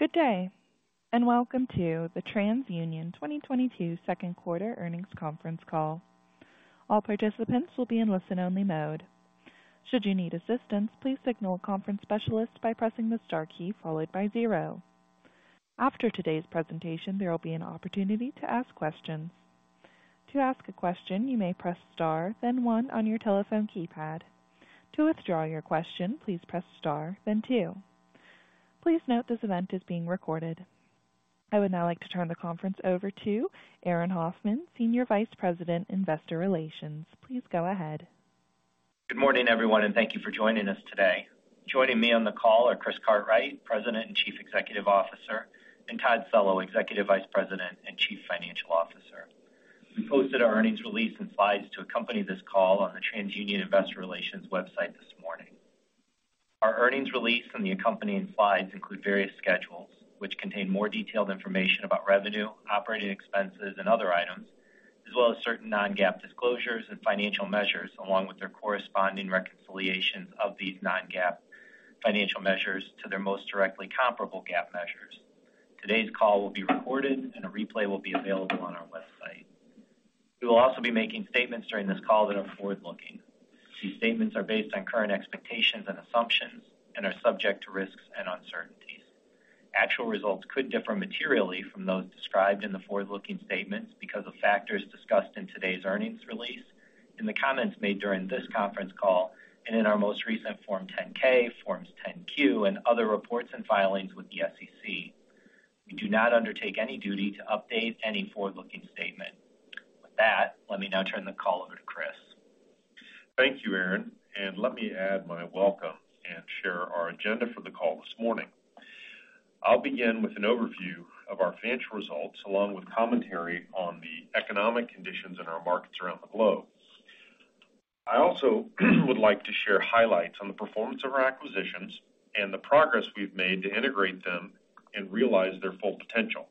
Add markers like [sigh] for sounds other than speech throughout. Good day, and welcome to the TransUnion 2022 Second Quarter Earnings Conference Call. All participants will be in listen-only mode. Should you need assistance, please signal a conference specialist by pressing the star key followed by zero. After today's presentation, there will be an opportunity to ask questions. To ask a question, you may press star, then one on your telephone keypad. To withdraw your question, please press star, then two. Please note this event is being recorded. I would now like to turn the conference over to Aaron Hoffman, Senior Vice President, Investor Relations. Please go ahead. Good morning, everyone, and thank you for joining us today. Joining me on the call are Chris Cartwright, President and Chief Executive Officer, and Todd Cello, Executive Vice President and Chief Financial Officer. We posted our earnings release, and slides to accompany this call on the TransUnion Investor Relations website this morning. Our earnings release and the accompanying slides include various schedules, which contain more detailed information about revenue, operating expenses, and other items, as well as certain non-GAAP disclosures and financial measures, along with their corresponding reconciliations of these non-GAAP financial measures to their most directly comparable GAAP measures. Today's call will be recorded, and a replay will be available on our website. We will also be making statements during this call that are forward-looking. These statements are based on current expectations, and assumptions and are subject to risks and uncertainties. Actual results could differ materially from those described in the forward-looking statements because of factors discussed in today's earnings release, in the comments made during this conference call, and in our most recent Form 10-K, Form 10-Q, and other reports and filings with the SEC. We do not undertake any duty to update any forward-looking statement. With that, let me now turn the call over to Chris. Thank you, Aaron, and let me add my welcome and share our agenda for the call this morning. I'll begin with an overview of our financial results, along with commentary on the economic conditions in our markets around the globe. I also would like to share highlights on the performance of our acquisitions, and the progress we've made to integrate them and realize their full potential.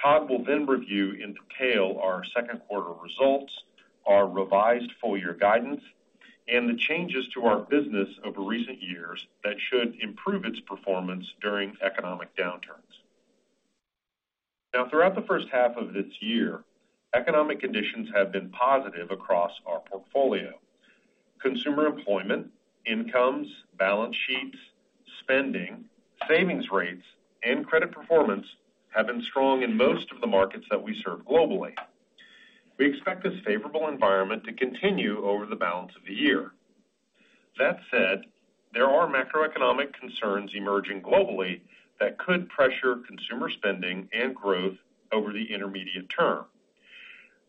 Todd will then review in detail our second-quarter results, our revised full-year guidance, and the changes to our business over recent years that should improve its performance during economic downturns. Now, throughout the first half of this year, economic conditions have been positive across our portfolio. Consumer employment, incomes, balance sheets, spending, savings rates, and credit performance have been strong in most of the markets that we serve globally. We expect this favorable environment to continue over the balance of the year. That said, there are macroeconomic concerns emerging globally that could pressure consumer spending, and growth over the intermediate term.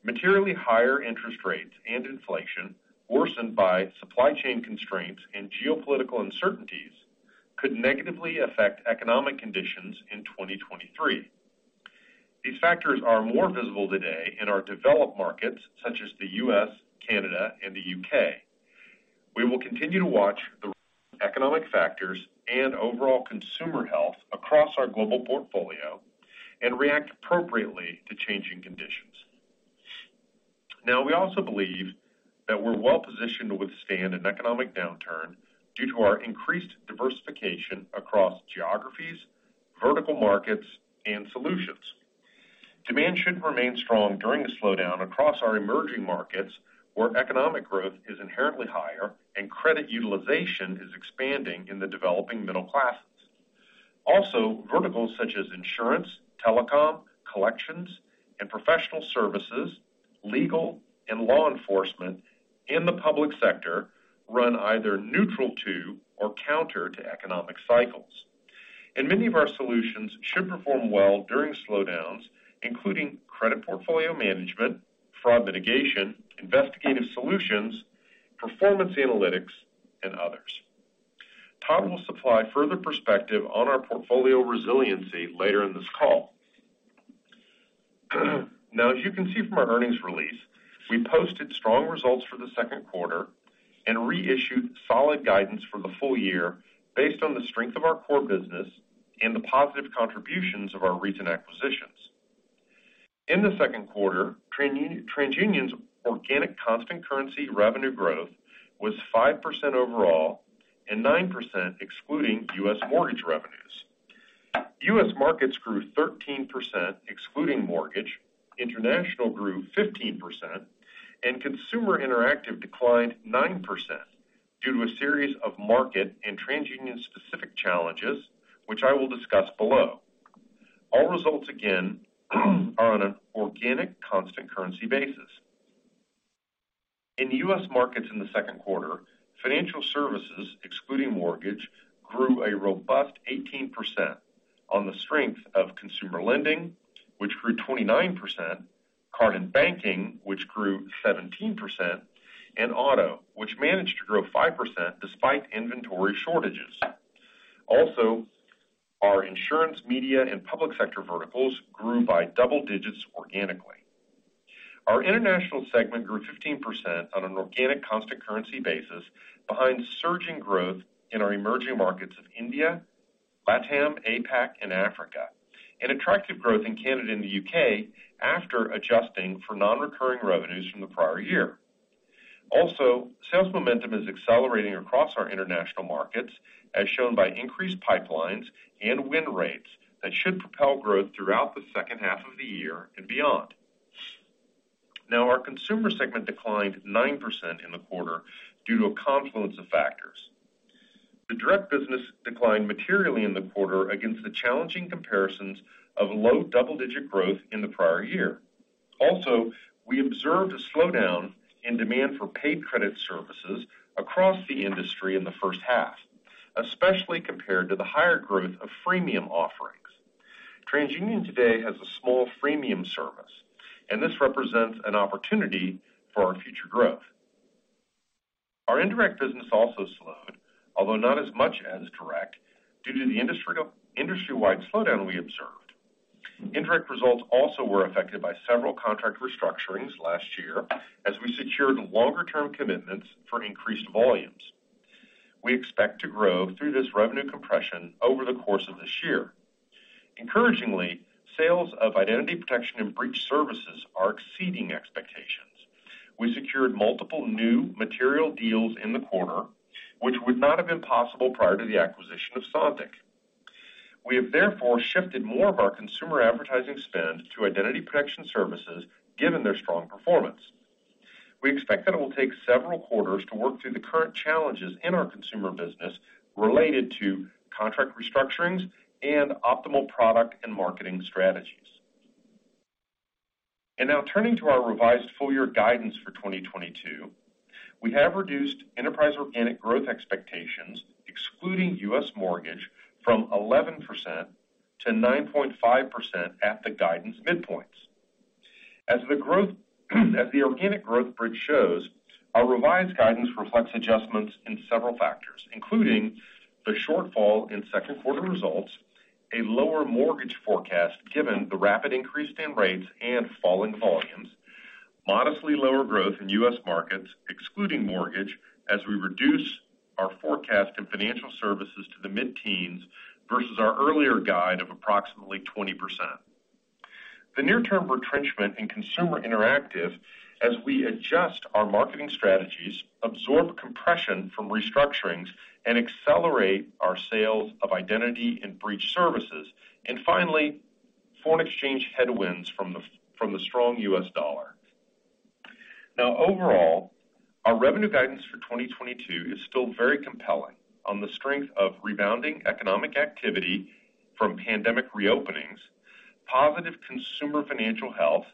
Materially higher interest rates and inflation, worsened by supply chain constraints, and geopolitical uncertainties could negatively affect economic conditions in 2023. These factors are more visible today in our developed markets, such as the U.S., Canada, and the U.K. We will continue to watch the economic factors, and overall consumer health across our global portfolio and react appropriately to changing conditions. Now, we also believe that we're well-positioned to withstand an economic downturn due to our increased diversification across geographies, vertical markets, and solutions. Demand should remain strong during a slowdown across our emerging markets, where economic growth is inherently higher and credit utilization is expanding in the developing middle classes. Also, verticals such as insurance, telecom, collections, and professional services, legal and law enforcement in the public sector run either neutral to or counter to economic cycles. Many of our solutions should perform well during slowdowns, including credit portfolio management, fraud mitigation, investigative solutions, performance analytics, and others. Todd will supply further perspective on our portfolio resiliency later in this call. Now, as you can see from our earnings release, we posted strong results for the second quarter and reissued solid guidance for the full year, based on the strength of our core business and the positive contributions of our recent acquisitions. In the second quarter, TransUnion's organic constant currency revenue growth was 5% overall, and 9% excluding U.S. mortgage revenues. U.S. markets grew 13%, excluding mortgage, international grew 15%, and Consumer Interactive declined 9% due to a series of market and TransUnion-specific challenges, which I will discuss below. All results, again are on an organic constant currency basis. In the U.S. markets in the second quarter, financial services, excluding mortgage, grew a robust 18% on the strength of consumer lending, which grew 29%, card and banking, which grew 17%, and auto, which managed to grow 5% despite inventory shortages. Also, our insurance, media, and public sector verticals grew by double digits organically. Our international segment grew 15% on an organic constant currency basis, behind surging growth in our emerging markets of India, LATAM, APAC, and Africa, and attractive growth in Canada and the U.K. after adjusting for non-recurring revenues from the prior year. Also, sales momentum is accelerating across our international markets as shown by increased pipelines, and win rates that should propel growth throughout the second half of the year and beyond. Now, our consumer segment declined 9% in the quarter due to a confluence of factors. The direct business declined materially in the quarter against the challenging comparisons of low double-digit growth in the prior year. Also, we observed a slowdown in demand for paid credit services across the industry in the first half, especially compared to the higher growth of freemium offerings. TransUnion today has a small freemium service, and this represents an opportunity for our future growth. Our indirect business also slowed, although not as much as direct due to the industry-wide slowdown we observed. Indirect results also were affected by several contract restructurings last year, as we secured longer-term commitments for increased volumes. We expect to grow through this revenue compression over the course of this year. Encouragingly, sales of identity protection and breach services are exceeding expectations. We secured multiple new material deals in the quarter, which would not have been possible prior to the acquisition of Sontiq. We have therefore shifted more of our consumer advertising spend to identity protection services, given their strong performance. We expect that it will take several quarters to work through the current challenges in our consumer business, related to contract restructurings and optimal product and marketing strategies. Now turning to our revised full-year guidance for 2022. We have reduced enterprise organic growth expectations, excluding U.S. mortgage from 11% to 9.5% at the guidance midpoints. As the organic growth bridge shows, our revised guidance reflects adjustments in several factors, including the shortfall in second quarter results, a lower mortgage forecast, given the rapid increase in rates and falling volumes, modestly lower growth in U.S. markets excluding mortgage, as we reduce our forecast in financial services to the mid-teens versus our earlier guide of approximately 20%. The near-term retrenchment in Consumer Interactive as we adjust our marketing strategies, absorb compression from restructurings, and accelerate our sales of identity and breach services, and finally, foreign exchange headwinds from the strong U.S. dollar. Now overall, our revenue guidance for 2022 is still very compelling on the strength of rebounding economic activity from pandemic re-openings, positive consumer financial health,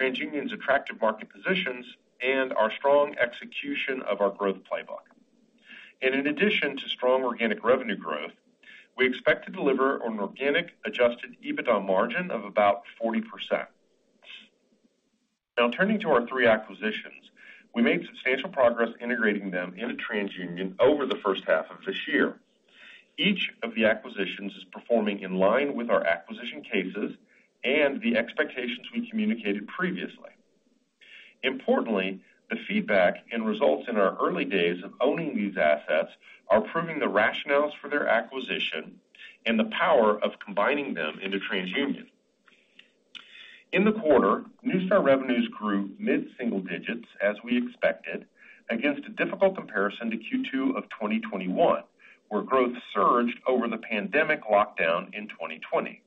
TransUnion's attractive market positions, and our strong execution of our growth playbook. In addition to strong organic revenue growth, we expect to deliver an organic adjusted EBITDA margin of about 40%. Now turning to our three acquisitions. We made substantial progress integrating them into TransUnion over the first half of this year. Each of the acquisitions is performing in line with our acquisition cases, and the expectations we communicated previously. Importantly, the feedback and results in our early days of owning these assets are proving the rationales for their acquisition, and the power of combining them into TransUnion. In the quarter, Neustar revenues grew mid-single digits, as we expected, against a difficult comparison to Q2 of 2021, where growth surged over the pandemic lockdown in 2020.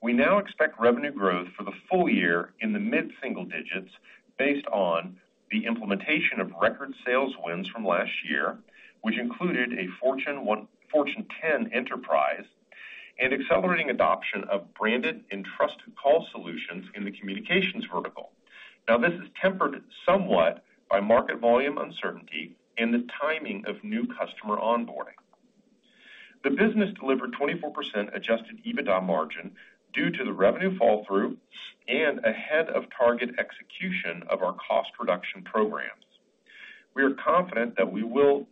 We now expect revenue growth for the full year in the mid-single digits, based on the implementation of record sales wins from last year, which included a Fortune 10 enterprise and accelerating adoption of branded, and trusted call solutions in the communications vertical. Now, this is tempered somewhat by market volume uncertainty and the timing of new customer onboarding. The business delivered 24% adjusted EBITDA margin due to the revenue fall through, and ahead of target execution of our cost reduction programs. We are confident that we will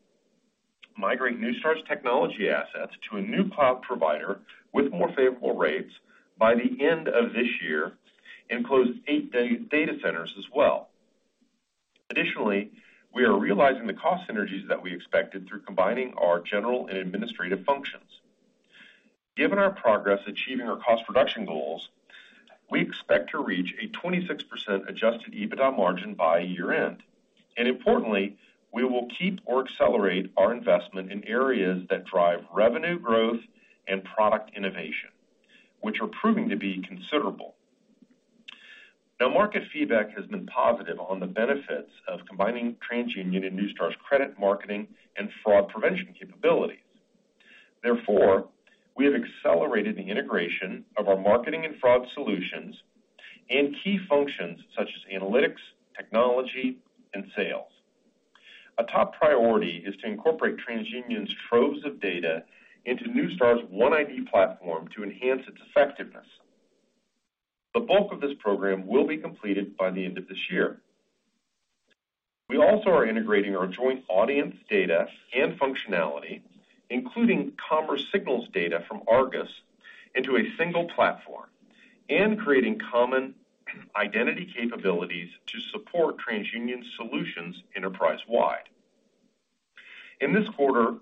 migrate Neustar's technology assets to a new cloud provider with more favorable rates by the end of this year, and close eight data centers as well. Additionally, we are realizing the cost synergies that we expected through combining our general and administrative functions. Given our progress achieving our cost reduction goals, we expect to reach a 26% adjusted EBITDA margin by year-end. Importantly, we will keep or accelerate our investment in areas that drive revenue growth and product innovation, which are proving to be considerable. Now market feedback has been positive on the benefits of combining TransUnion and Neustar's credit marketing, and fraud prevention capabilities. Therefore, we have accelerated the integration of our marketing and fraud solutions, and key functions such as analytics, technology, and sales. A top priority is to incorporate TransUnion's troves of data into Neustar's OneID platform to enhance its effectiveness. The bulk of this program will be completed by the end of this year. We also are integrating our joint audience data and functionality, including Commerce Signals data from Argus into a single platform, and creating common identity capabilities to support TransUnion solutions enterprise-wide. In this quarter,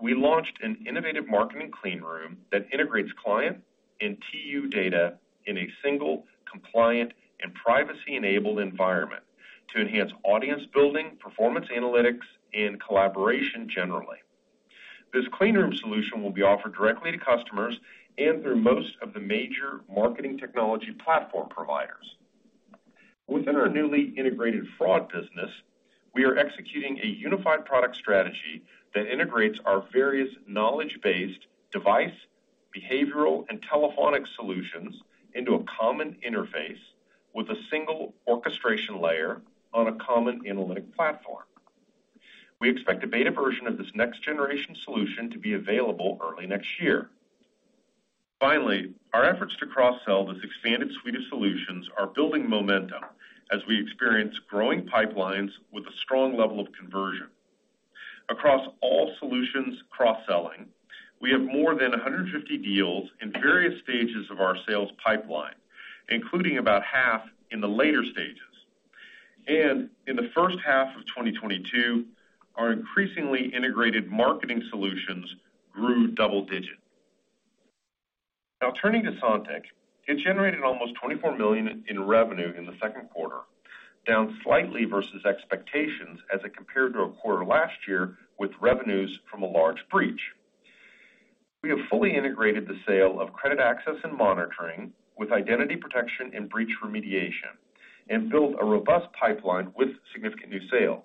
we launched an innovative marketing clean room that integrates client and TU data in a single compliant, and privacy-enabled environment to enhance audience building, performance analytics, and collaboration generally. This clean room solution will be offered directly to customers, and through most of the major marketing technology platform providers. Within our newly integrated fraud business, we are executing a unified product strategy that integrates our various knowledge-based device, behavioral, and telephonic solutions into a common interface, with a single orchestration layer on a common analytic platform. We expect a beta version of this next-generation solution to be available early next year. Finally, our efforts to cross-sell this expanded suite of solutions are building momentum, as we experience growing pipelines with a strong level of conversion. Across all solutions cross-selling, we have more than 150 deals in various stages of our sales pipeline, including about half in the later stages. In the first half of 2022, our increasingly integrated marketing solutions grew double-digit. Now turning to Sontiq. It generated almost $24 million in revenue in the second quarter, down slightly versus expectations as it compared to a quarter last year with revenues from a large breach. We have fully integrated the sale of credit access and monitoring with identity protection and breach remediation, and built a robust pipeline with significant new sales,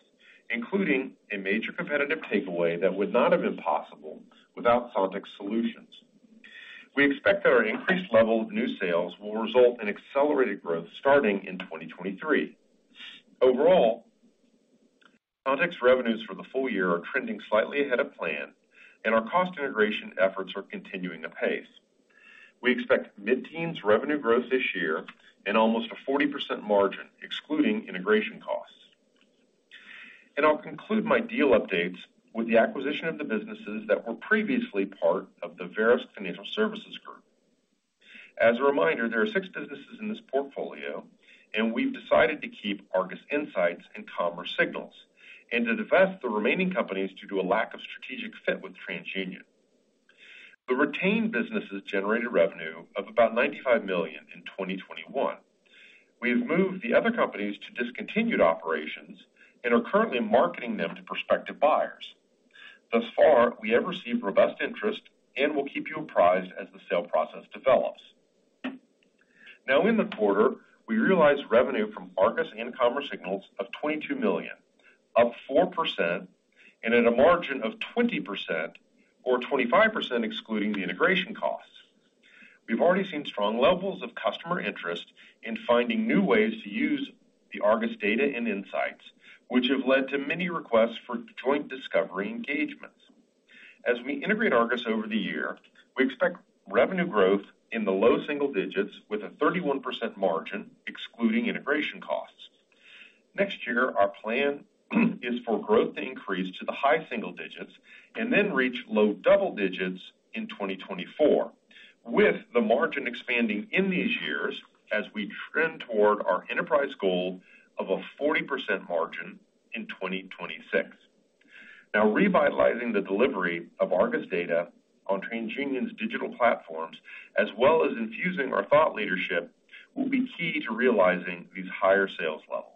including a major competitive takeaway that would not have been possible without Sontiq's solutions. We expect that our increased level of new sales will result in accelerated growth starting in 2023. Overall, Sontiq's revenues for the full year are trending slightly ahead of plan and our cost integration efforts are continuing to pace. We expect mid-teens percent revenue growth this year and almost a 40% margin, excluding integration costs. I'll conclude my deal updates with the acquisition of the businesses that were previously part of the Verisk Financial Services group. As a reminder, there are six businesses in this portfolio, and we've decided to keep Argus Insights and Commerce Signals, and to divest the remaining companies due to a lack of strategic fit with TransUnion. The retained businesses generated revenue of about $95 million in 2021. We have moved the other companies to discontinued operations, and are currently marketing them to prospective buyers. Thus far, we have received robust interest and will keep you apprised as the sale process develops. Now, in the quarter, we realized revenue from Argus and Commerce Signals of $22 million, up 4% and at a margin of 20% or 25%, excluding the integration costs. We've already seen strong levels of customer interest in finding new ways to use the Argus data and insights, which have led to many requests for joint discovery engagements. As we integrate Argus over the year, we expect revenue growth in the low single digits, with a 31% margin excluding integration costs. Next year, our plan is for growth to increase to the high single digits and then reach low double digits in 2024, with the margin expanding in these years as we trend toward our enterprise goal of a 40% margin in 2026. Now revitalizing the delivery of Argus data on TransUnion's digital platforms, as well as infusing our thought leadership, will be key to realizing these higher sales levels.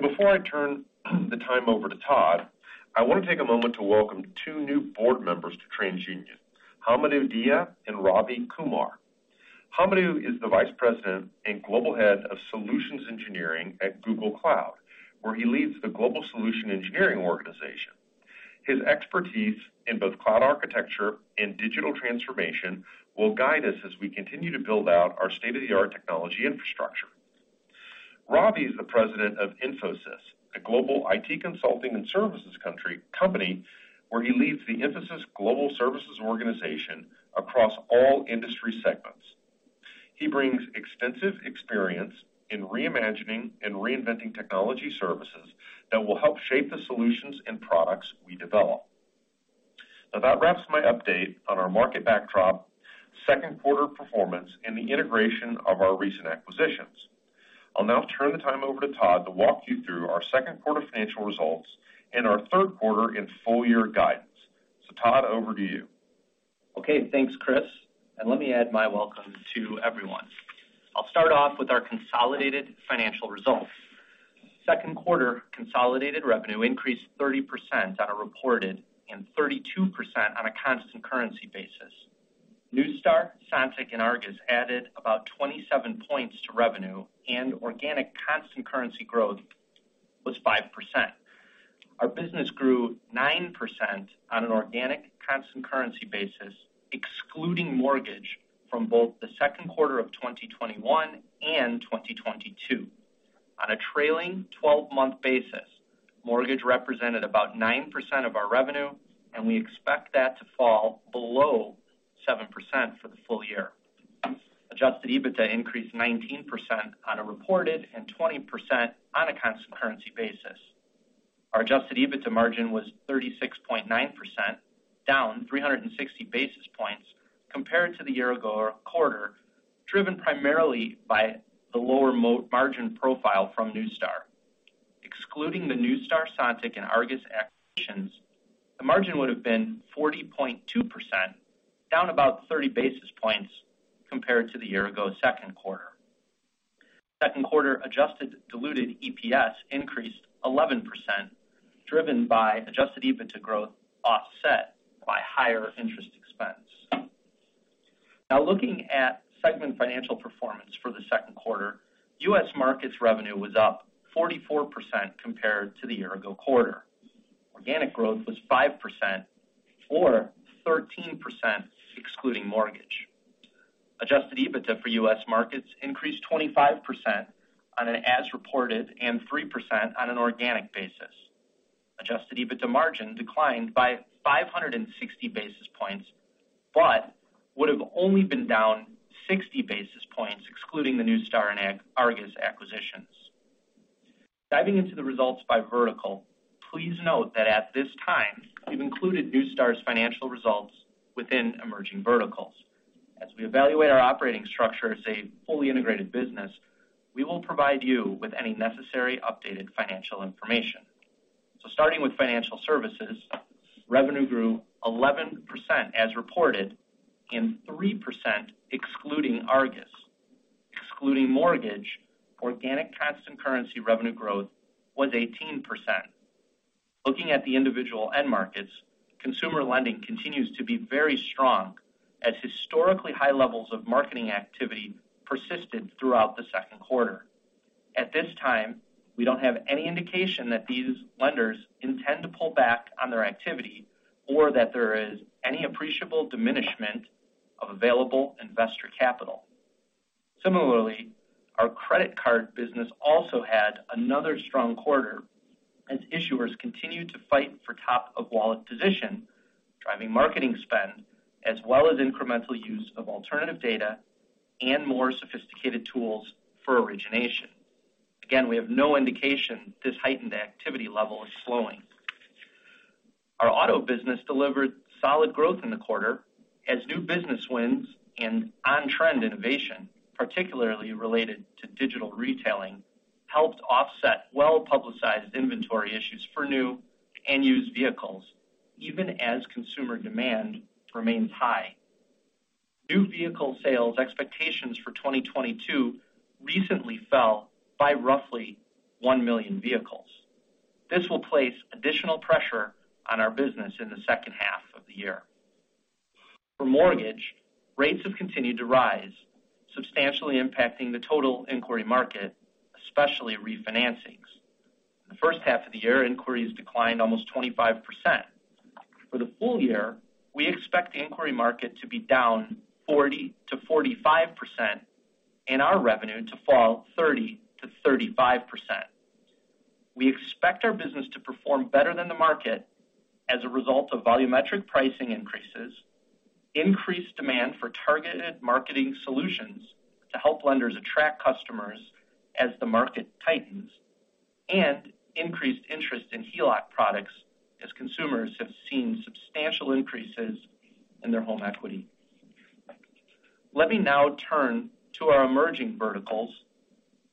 Before I turn the time over to Todd, I want to take a moment to welcome two new board members to TransUnion, Hamidou Dia and Ravi Kumar. Hamidou is the Vice President and Global Head of Solutions Engineering at Google Cloud, where he leads the Global Solution Engineering organization. His expertise in both cloud architecture and digital transformation will guide us as we continue to build out our state-of-the-art technology infrastructure. Ravi is the President of Infosys, a global IT consulting and services company, where he leads the Infosys global services organization across all industry segments. He brings extensive experience in reimagining, and reinventing technology services that will help shape the solutions and products we develop. Now that wraps my update on our market backdrop, second quarter performance, and the integration of our recent acquisitions. I'll now turn the time over to Todd to walk you through our second quarter financial results, and our third quarter and full year guidance. Todd, over to you. Okay. Thanks, Chris, and let me add my welcome to everyone. I'll start off with our consolidated financial results. Second quarter consolidated revenue increased 30% on a reported, and 32% on a constant currency basis. Neustar, Sontiq and Argus added about 27 points to revenue, and organic constant currency growth was 5%. Our business grew 9% on an organic constant currency basis, excluding mortgage from both the second quarter of 2021 and 2022. On a trailing 12-month basis, mortgage represented about 9% of our revenue, and we expect that to fall below 7% for the full year. Adjusted EBITDA increased 19% on a reported, and 20% on a constant currency basis. Our adjusted EBITDA margin was 36.9%, down 360 basis points compared to the year ago quarter. Driven primarily by the lower margin profile from Neustar. Excluding the Neustar, Sontiq and Argus acquisitions, the margin would have been 40.2%, down about 30 basis points compared to the year ago, second quarter. Second quarter adjusted diluted EPS increased 11%, driven by adjusted EBITDA growth, offset by higher interest expense. Now looking at segment financial performance for the second quarter, U.S. markets revenue was up 44% compared to the year ago quarter. Organic growth was 5% or 13%, excluding mortgage. Adjusted EBITDA for U.S. markets increased 25% on an as reported, and 3% on an organic basis. Adjusted EBITDA margin declined by 560 basis points, but would have only been down 60 basis points, excluding the Neustar and Argus acquisitions. Diving into the results by vertical, please note that at this time, we've included Neustar's financial results within emerging verticals. As we evaluate our operating structure as a fully integrated business, we will provide you with any necessary updated financial information. Starting with financial services, revenue grew 11% as reported and 3% excluding Argus. Excluding mortgage, organic constant currency revenue growth was 18%. Looking at the individual end markets, consumer lending continues to be very strong as historically high levels of marketing activity persisted throughout the second quarter. At this time, we don't have any indication that these lenders intend to pull back on their activity, or that there is any appreciable diminishment of available investor capital. Similarly, our credit card business also had another strong quarter as issuers continued to fight for top-of-wallet position, driving marketing spend, as well as incremental use of alternative data and more sophisticated tools for origination. Again, we have no indication this heightened activity level is slowing. Our auto business delivered solid growth in the quarter as new business wins and on-trend innovation, particularly related to digital retailing, helped offset well-publicized inventory issues for new and used vehicles, even as consumer demand remains high. New vehicle sales expectations for 2022 recently fell by roughly 1 million vehicles. This will place additional pressure on our business in the second half of the year. For mortgage, rates have continued to rise, substantially impacting the total inquiry market, especially refinancings. The first half of the year, inquiries declined almost 25%. For the full year, we expect the inquiry market to be down 40%-45%, and our revenue to fall 30%-35%. We expect our business to perform better than the market as a result of volumetric pricing increases, increased demand for targeted marketing solutions to help lenders attract customers as the market tightens, and increased interest in HELOC products as consumers have seen substantial increases in their home equity. Let me now turn to our emerging verticals,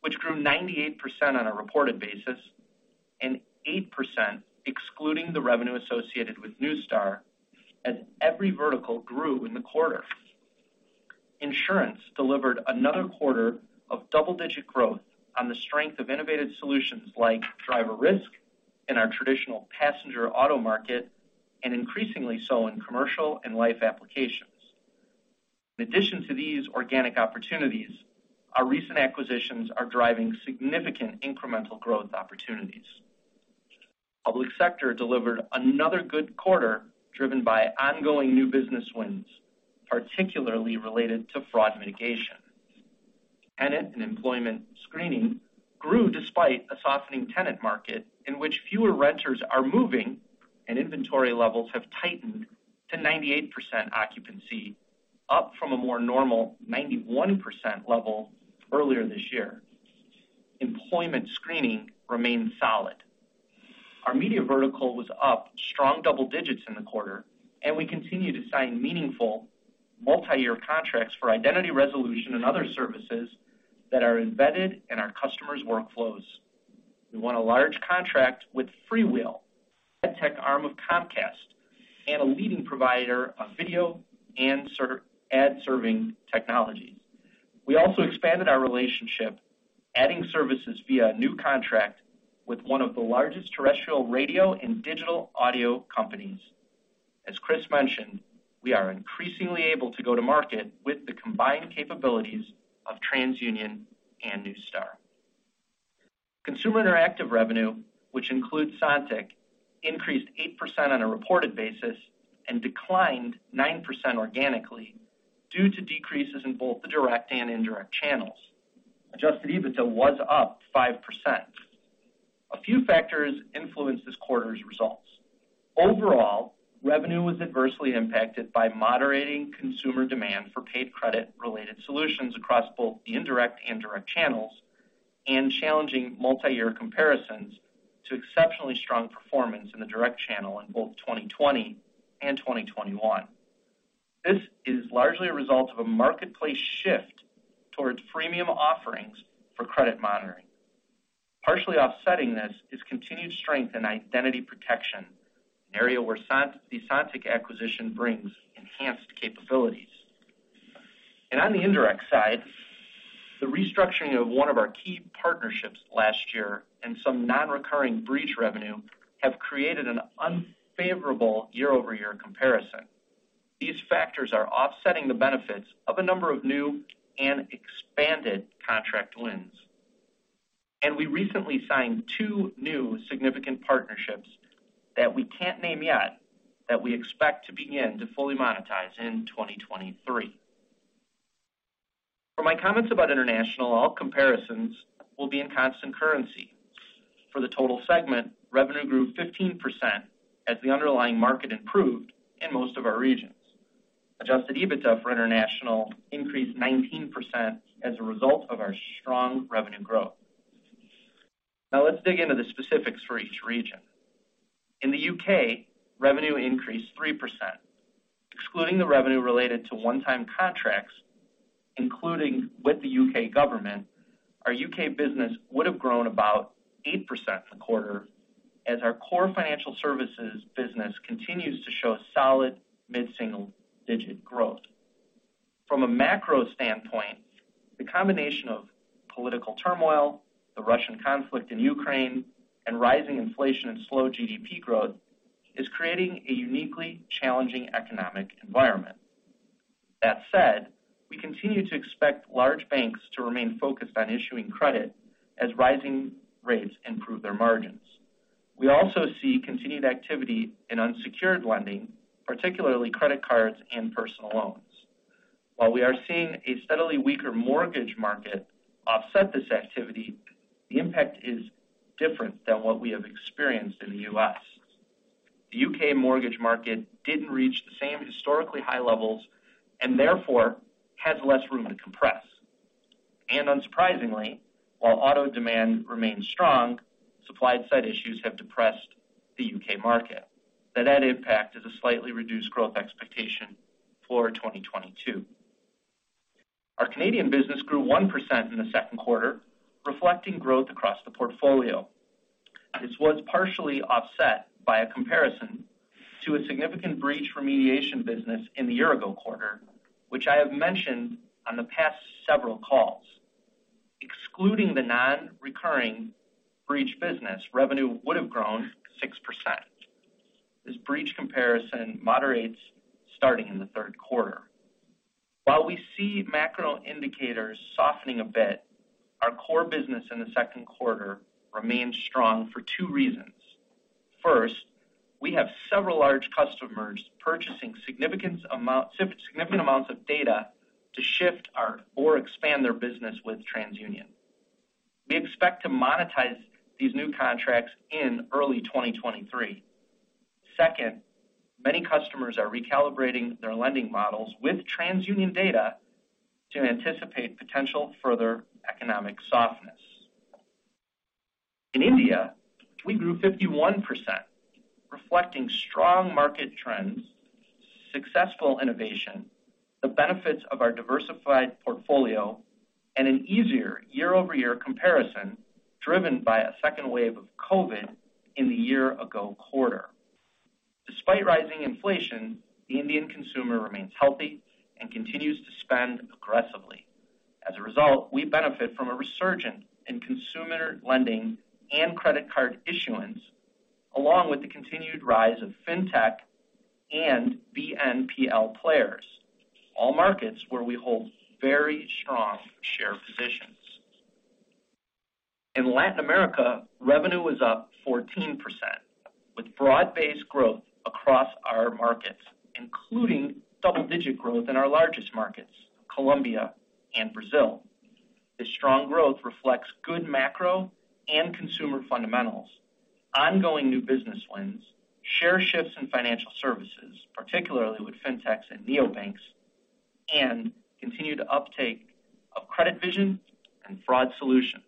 which grew 98% on a reported basis and 8%, excluding the revenue associated with Neustar, as every vertical grew in the quarter. Insurance delivered another quarter of double-digit growth on the strength of innovative solutions like driver risk in our traditional passenger auto market, and increasingly so in commercial and life applications. In addition to these organic opportunities, our recent acquisitions are driving significant incremental growth opportunities. Public sector delivered another good quarter, driven by ongoing new business wins, particularly related to fraud mitigation. Tenant and employment screening grew despite a softening tenant market in which fewer renters are moving, and inventory levels have tightened to 98% occupancy, up from a more normal 91% level earlier this year. Employment screening remains solid. Our media vertical was up strong double digits in the quarter, and we continue to sign meaningful multi-year contracts for identity resolution and other services that are embedded in our customers' workflows. We won a large contract with FreeWheel, ad tech arm of Comcast, and a leading provider of video and ad serving technologies. We also expanded our relationship, adding services via a new contract with one of the largest terrestrial radio and digital audio companies. As Chris mentioned, we are increasingly able to go to market with the combined capabilities of TransUnion and Neustar. Consumer Interactive revenue, which includes Sontiq, increased 8% on a reported basis and declined 9% organically due to decreases in both the direct and indirect channels. Adjusted EBITDA was up 5%. A few factors influenced this quarter's results. Overall, revenue was adversely impacted by moderating consumer demand for paid credit-related solutions across both the indirect and direct channels, and challenging multiyear comparisons to exceptionally strong performance in the direct channel in both 2020 and 2021. This is largely a result of a marketplace shift towards freemium offerings for credit monitoring. Partially offsetting this is continued strength in identity protection, an area where the Sontiq acquisition brings enhanced capabilities. On the indirect side, the restructuring of one of our key partnerships last year, and some non-recurring breach revenue have created an unfavorable year-over-year comparison. These factors are offsetting the benefits of a number of new and expanded contract wins. We recently signed two new significant partnerships that we can't name yet, that we expect to begin to fully monetize in 2023. For my comments about international, all comparisons will be in constant currency. For the total segment, revenue grew 15% as the underlying market improved in most of our regions. Adjusted EBITDA for international increased 19% as a result of our strong revenue growth. Now let's dig into the specifics for each region. In the U.K., revenue increased 3%. Excluding the revenue related to one-time contracts, including with the U.K. government, our U.K. business would have grown about 8% in the quarter, as our core financial services business continues to show solid mid-single-digit growth. From a macro standpoint, the combination of political turmoil, the Russian conflict in Ukraine, and rising inflation and slow GDP growth is creating a uniquely challenging economic environment. That said, we continue to expect large banks to remain focused on issuing credit as rising rates improve their margins. We also see continued activity in unsecured lending, particularly credit cards and personal loans. While we are seeing a steadily weaker mortgage market offset this activity, the impact is different than what we have experienced in the U.S. The U.K. mortgage market didn't reach the same historically high levels, and therefore has less room to compress. Unsurprisingly, while auto demand remains strong, supply side issues have depressed the U.K. market. The net impact is a slightly reduced growth expectation for 2022. Our Canadian business grew 1% in the second quarter, reflecting growth across the portfolio. This was partially offset by a comparison to a significant breach remediation business in the year-ago quarter, which I have mentioned on the past several calls. Excluding the non-recurring breach business, revenue would have grown 6%. This breach comparison moderates starting in the third quarter. While we see macro indicators softening a bit, our core business in the second quarter remains strong for two reasons. First, we have several large customers purchasing significant amounts of data to shift or expand their business with TransUnion. We expect to monetize these new contracts in early 2023. Second, many customers are recalibrating their lending models with TransUnion data, to anticipate potential further economic softness. In India, we grew 51%, reflecting strong market trends, successful innovation, the benefits of our diversified portfolio, and an easier year-over-year comparison driven by a second wave of COVID in the year-ago quarter. Despite rising inflation, the Indian consumer remains healthy and continues to spend aggressively. As a result, we benefit from a resurgence in consumer lending and credit card issuance, along with the continued rise of fintech and BNPL players, all markets where we hold very strong share positions. In Latin America, revenue was up 14%, with broad-based growth across our markets, including double-digit growth in our largest markets, Colombia and Brazil. This strong growth reflects good macro and consumer fundamentals, ongoing new business wins, share shifts in financial services, particularly with fintechs and neobanks, and continued uptake of CreditVision and fraud solutions.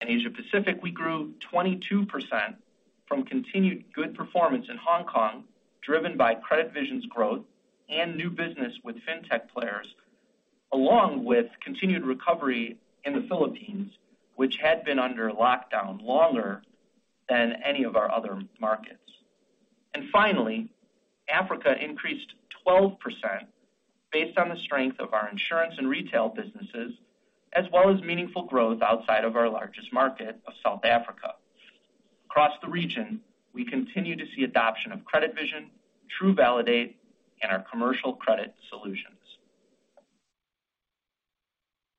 In Asia Pacific, we grew 22%, from continued good performance in Hong Kong, driven by CreditVision's growth and new business with fintech players, along with continued recovery in the Philippines, which had been under lockdown longer than any of our other markets. Finally, Africa increased 12%, based on the strength of our insurance and retail businesses, as well as meaningful growth outside of our largest market of South Africa. Across the region, we continue to see adoption of CreditVision, TruValidate, and our commercial credit solutions.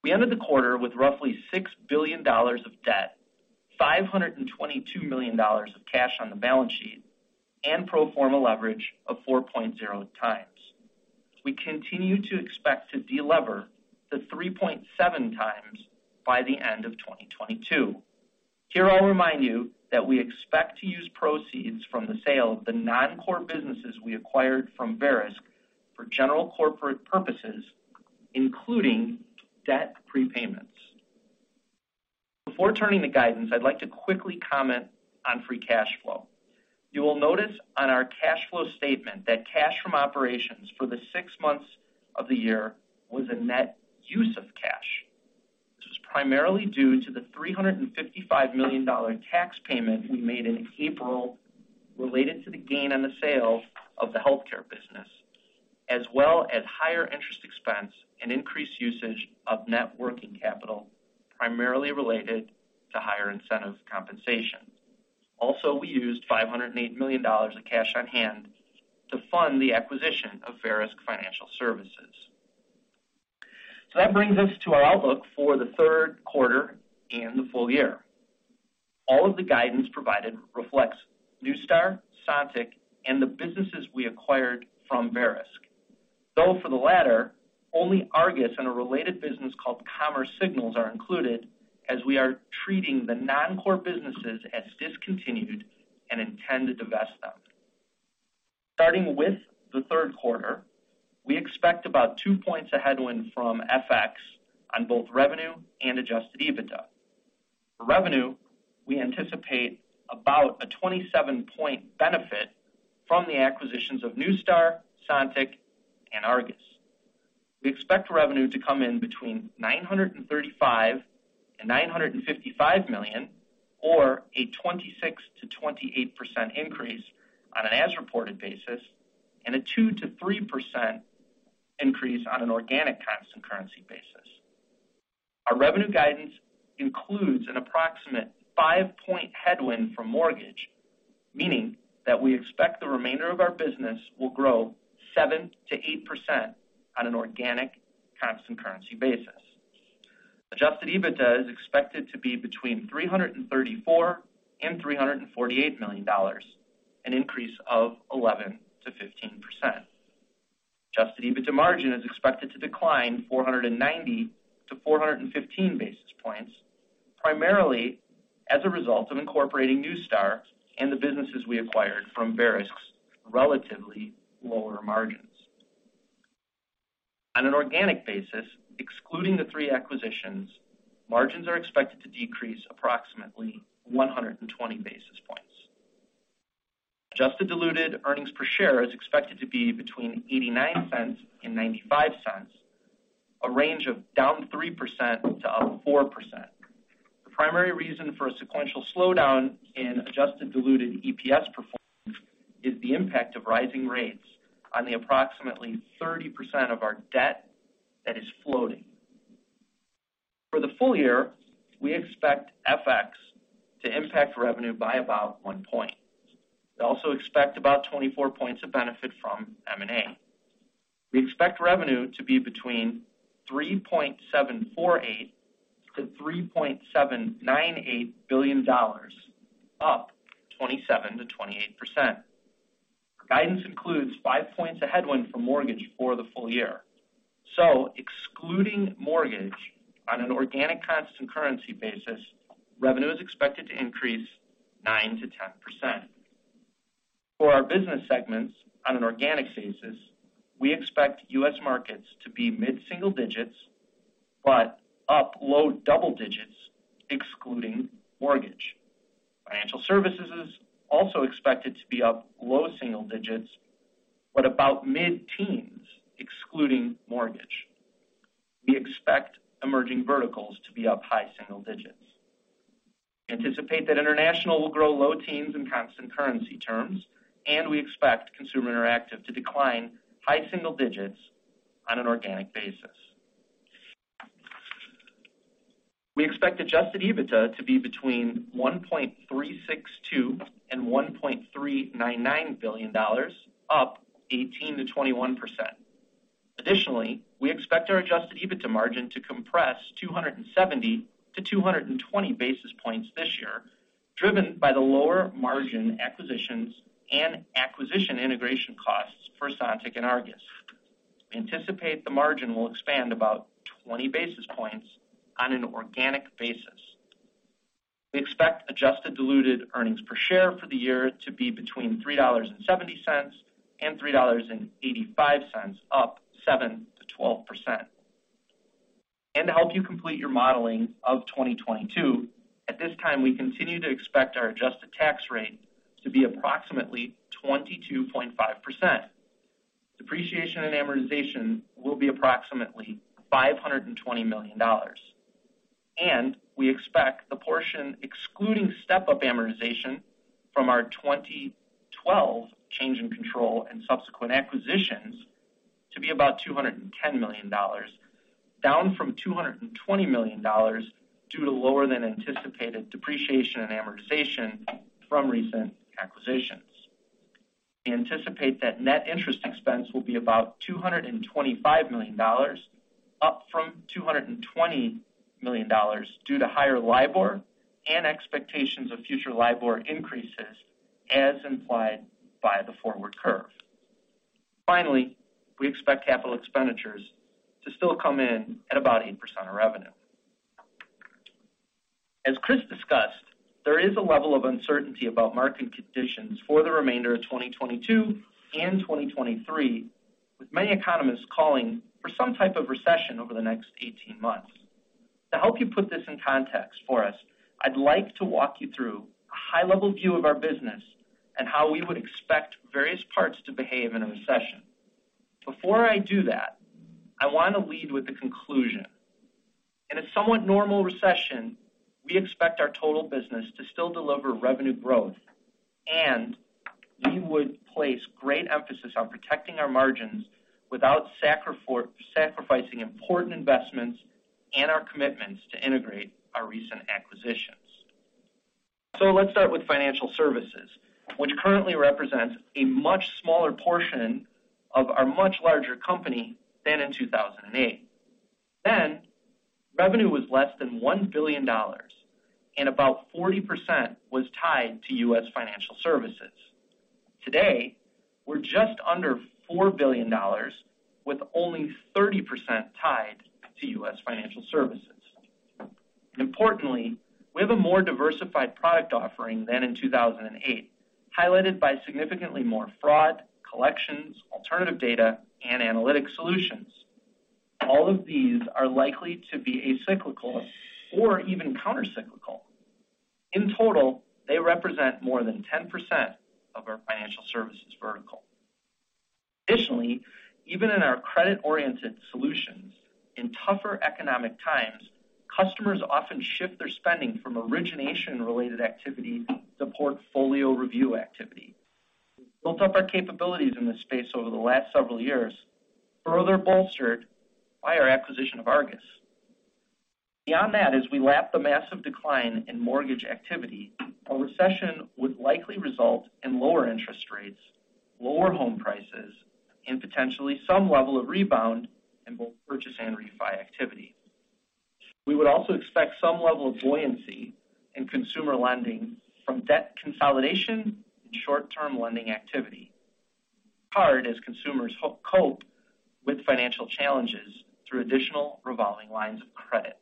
We ended the quarter with roughly $6 billion of debt, $522 million of cash on the balance sheet, and pro forma leverage of 4.0x. We continue to expect to delever to 3.7x by the end of 2022. Here, I'll remind you that we expect to use proceeds from the sale of the non-core businesses we acquired from Verisk for general corporate purposes, including debt prepayments. Before turning to guidance, I'd like to quickly comment on free cash flow. You will notice on our cash flow statement that cash from operations for the six months of the year was a net use of cash. This was primarily due to the $355 million tax payment we made in April, related to the gain on the sale of the healthcare business, as well as higher interest expense and increased usage of net working capital, primarily related to higher incentive compensation. Also, we used $508 million of cash on hand to fund the acquisition of Verisk Financial Services. That brings us to our outlook for the third quarter and the full year. All of the guidance provided reflects Neustar, Sontiq, and the businesses we acquired from Verisk. Though for the latter, only Argus and a related business called Commerce Signals are included as we are treating the non-core businesses as discontinued, and intend to divest them. Starting with the third quarter, we expect about two points of headwind from FX on both revenue and adjusted EBITDA. For revenue, we anticipate about a 27-point benefit from the acquisitions of Neustar, Sontiq, and Argus. We expect revenue to come in between $935 million and $955 million, or a 26%-28% increase on an as-reported basis and a 2%-3% increase on an organic constant currency basis. Our revenue guidance includes an approximate 5-point headwind from mortgage, meaning that we expect the remainder of our business will grow 7%-8% on an organic constant currency basis. Adjusted EBITDA is expected to be between $334 million and $348 million, an increase of 11%-15%. Adjusted EBITDA margin is expected to decline 490 to 415 basis points, primarily as a result of incorporating Neustar and the businesses we acquired from Verisk's relatively lower margins. On an organic basis, excluding the three acquisitions, margins are expected to decrease approximately 120 basis points. Adjusted diluted earnings per share is expected to be between $0.89 and $0.95, a range of down 3% to up 4%. The primary reason for a sequential slowdown in adjusted diluted EPS performance, is the impact of rising rates on the approximately 30% of our debt that is floating. For the full year, we expect FX to impact revenue by about one point. We also expect about 24 points of benefit from M&A. We expect revenue to be between $3.748 billion and $3.798 billion, up 27%-28%. Guidance includes five points of headwind for mortgage for the full year. Excluding mortgage on an organic constant currency basis, revenue is expected to increase 9%-10%. For our business segments on an organic basis, we expect U.S. markets to be mid-single digits, but up low double digits, excluding mortgage. Financial services is also expected to be up low single digits, but about mid-teens, excluding mortgage. We expect emerging verticals to be up high single digits. Anticipate that international will grow low teens in constant currency terms, and we expect Consumer Interactive to decline high single digits on an organic basis. We expect adjusted EBITDA to be between $1.362 billion and $1.399 billion, up 18%-21%. We expect our adjusted EBITDA margin to compress 270 to 220 basis points this year, driven by the lower margin acquisitions and acquisition integration costs for Sontiq and Argus. We anticipate the margin will expand about 20 basis points on an organic basis. We expect adjusted diluted earnings per share for the year to be between $3.70 and $3.85, up 7%-12%. To help you complete your modeling of 2022, at this time, we continue to expect our adjusted tax rate to be approximately 22.5%. Depreciation and amortization will be approximately $520 million. We expect the portion, excluding step-up amortization from our 2012 change in control and subsequent acquisitions to be about $210 million, down from $220 million due to lower than anticipated depreciation and amortization from recent acquisitions. We anticipate that net interest expense will be about $225 million, up from $220 million due to higher LIBOR and expectations of future LIBOR increases as implied by the forward curve. Finally, we expect capital expenditures to still come in at about 8% of revenue. As Chris discussed, there is a level of uncertainty about market conditions for the remainder of 2022 and 2023, with many economists calling for some type of recession over the next 18 months. To help you put this in context for us, I'd like to walk you through a high-level view of our business and how we would expect various parts to behave in a recession. Before I do that, I want to lead with the conclusion. In a somewhat normal recession, we expect our total business to still deliver revenue growth, and we would place great emphasis on protecting our margins without sacrificing important investments and our commitments to integrate our recent acquisitions. Let's start with financial services, which currently represents a much smaller portion of our much larger company than in 2008. Then revenue was less than $1 billion, and about 40% was tied to U.S. financial services. Today, we're just under $4 billion, with only 30% tied to U.S. financial services. Importantly, we have a more diversified product offering than in 2008, highlighted by significantly more fraud, collections, alternative data, and analytic solutions. All of these are likely to be a cyclical or even countercyclical. In total, they represent more than 10% of our financial services vertical. Additionally, even in our credit-oriented solutions, in tougher economic times, customers often shift their spending from origination-related activity to portfolio review activity. We've built up our capabilities in this space over the last several years, further bolstered by our acquisition of Argus. Beyond that, as we lap the massive decline in mortgage activity, a recession would likely result in lower interest rates, lower home prices, and potentially some level of rebound in both purchase and refi activity. We would also expect some level of buoyancy in consumer lending from debt consolidation, and short-term lending activity. Card, as consumers cope with financial challenges through additional revolving lines of credit.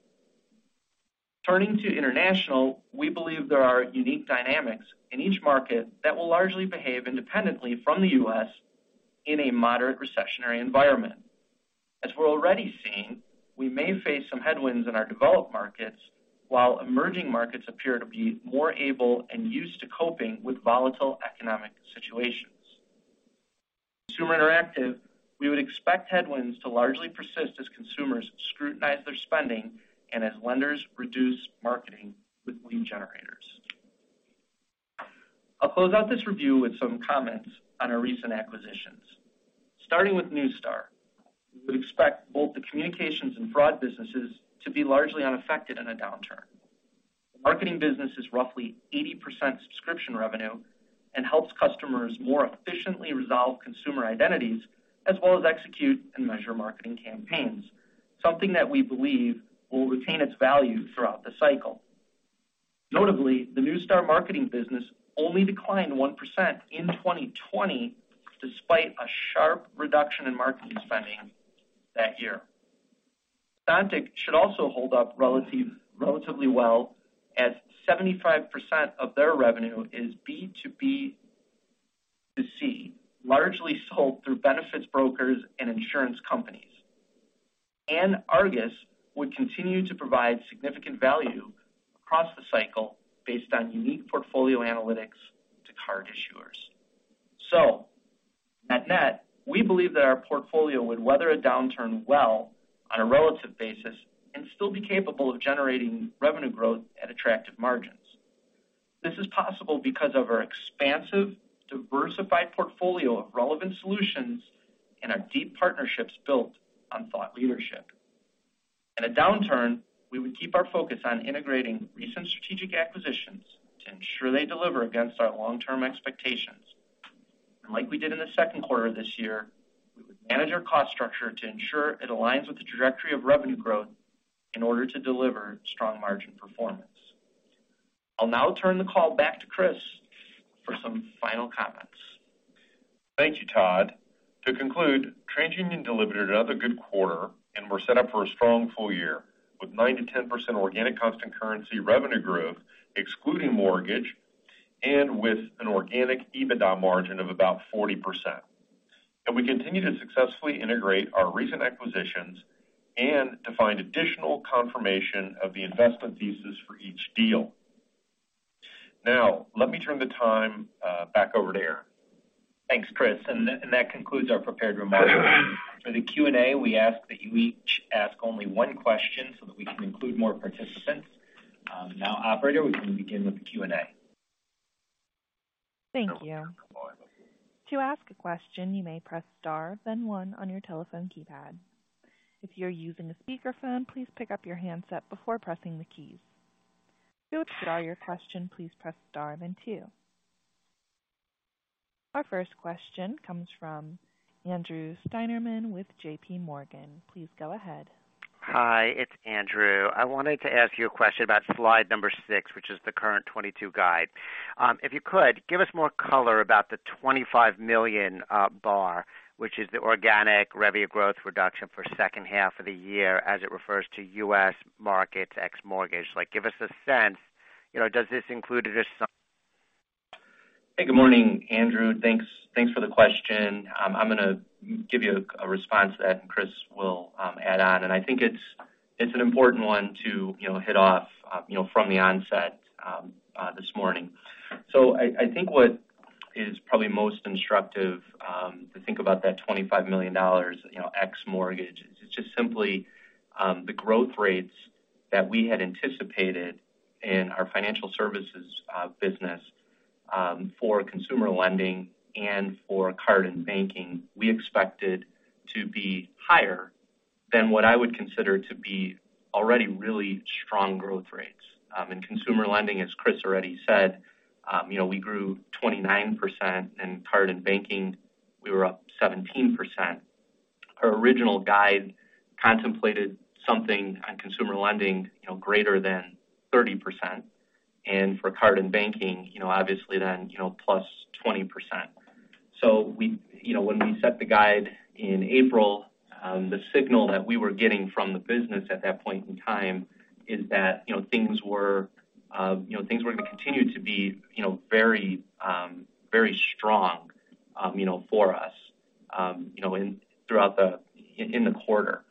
Turning to international, we believe there are unique dynamics in each market that will largely behave independently from the U.S. in a moderate recessionary environment. As we're already seeing, we may face some headwinds in our developed markets, while emerging markets appear to be more able and used to coping with volatile economic situations. Consumer Interactive, we would expect headwinds to largely persist, as consumers scrutinize their spending, and as lenders reduce marketing with lead generators. I'll close out this review with some comments on our recent acquisitions. Starting with Neustar, we would expect both the communications and fraud businesses to be largely unaffected in a downturn. The marketing business is roughly 80% subscription revenue, and helps customers more efficiently resolve consumer identities as well as execute and measure marketing campaigns, something that we believe will retain its value throughout the cycle. Notably, the Neustar marketing business only declined 1% in 2020, despite a sharp reduction in marketing spending that year. Sontiq should also hold up relatively well, as 75% of their revenue is B2B2C, largely sold through benefits brokers and insurance companies. Argus would continue to provide significant value across the cycle, based on unique portfolio analytics to card issuers. Net net, we believe that our portfolio would weather a downturn well on a relative basis, and still be capable of generating revenue growth at attractive margins. This is possible because of our expansive, diversified portfolio of relevant solutions, and our deep partnerships built on thought leadership. In a downturn, we would keep our focus on integrating recent strategic acquisitions, to ensure they deliver against our long-term expectations. Like we did in the second quarter of this year, we would manage our cost structure to ensure it aligns with the trajectory of revenue growth, in order to deliver strong margin performance. I'll now turn the call back to Chris for some final comments. Thank you, Todd. To conclude, TransUnion delivered another good quarter, and we're set up for a strong full year with 9%-10% organic constant currency revenue growth, excluding mortgage, and with an organic EBITDA margin of about 40%. We continue to successfully integrate our recent acquisitions, and to find additional confirmation of the investment thesis for each deal. Now, let me turn the time back over to Aaron. Thanks, Chris. That concludes our prepared remarks. For the Q&A, we ask that you each ask only one question, so that we can include more participants. Now, operator, we can begin with the Q&A. [audio distortion] Thank you. To ask a question, you may press star, then one on your telephone keypad. If you're using a speakerphone, please pick up your handset before pressing the keys. To withdraw your question, please press star then two. Our first question comes from Andrew Steinerman with JPMorgan. Please go ahead. Hi, it's Andrew. I wanted to ask you a question about slide number six, which is the current 2022 guide. If you could, give us more color about the $25 million bar, which is the organic revenue growth reduction for second half of the year, as it refers to U.S. markets ex mortgage. Like, give us a sense, you know. Hey. Good morning, Andrew. Thanks for the question. I'm going to give you a response to that, and Chris will add on. I think it's an important one to, you know, hit off, you know, from the onset this morning. I think what is probably most instructive to think about that $25 million, you know, ex mortgage is, it's just simply the growth rates that we had anticipated in our financial services business for consumer lending and for card and banking, we expected to be higher than what I would consider to be already really strong growth rates. In consumer lending, as Chris already said, you know, we grew 29%. In card and banking, we were up 17%. Our original guide contemplated something on consumer lending, you know, greater than 30%. For card and banking, you know, obviously then, you know, +20%. You know, when we set the guide in April, the signal that we were getting from the business at that point in time is that, you know, things were going to continue to be, you know, very strong, you know, for us, you know, in the quarter.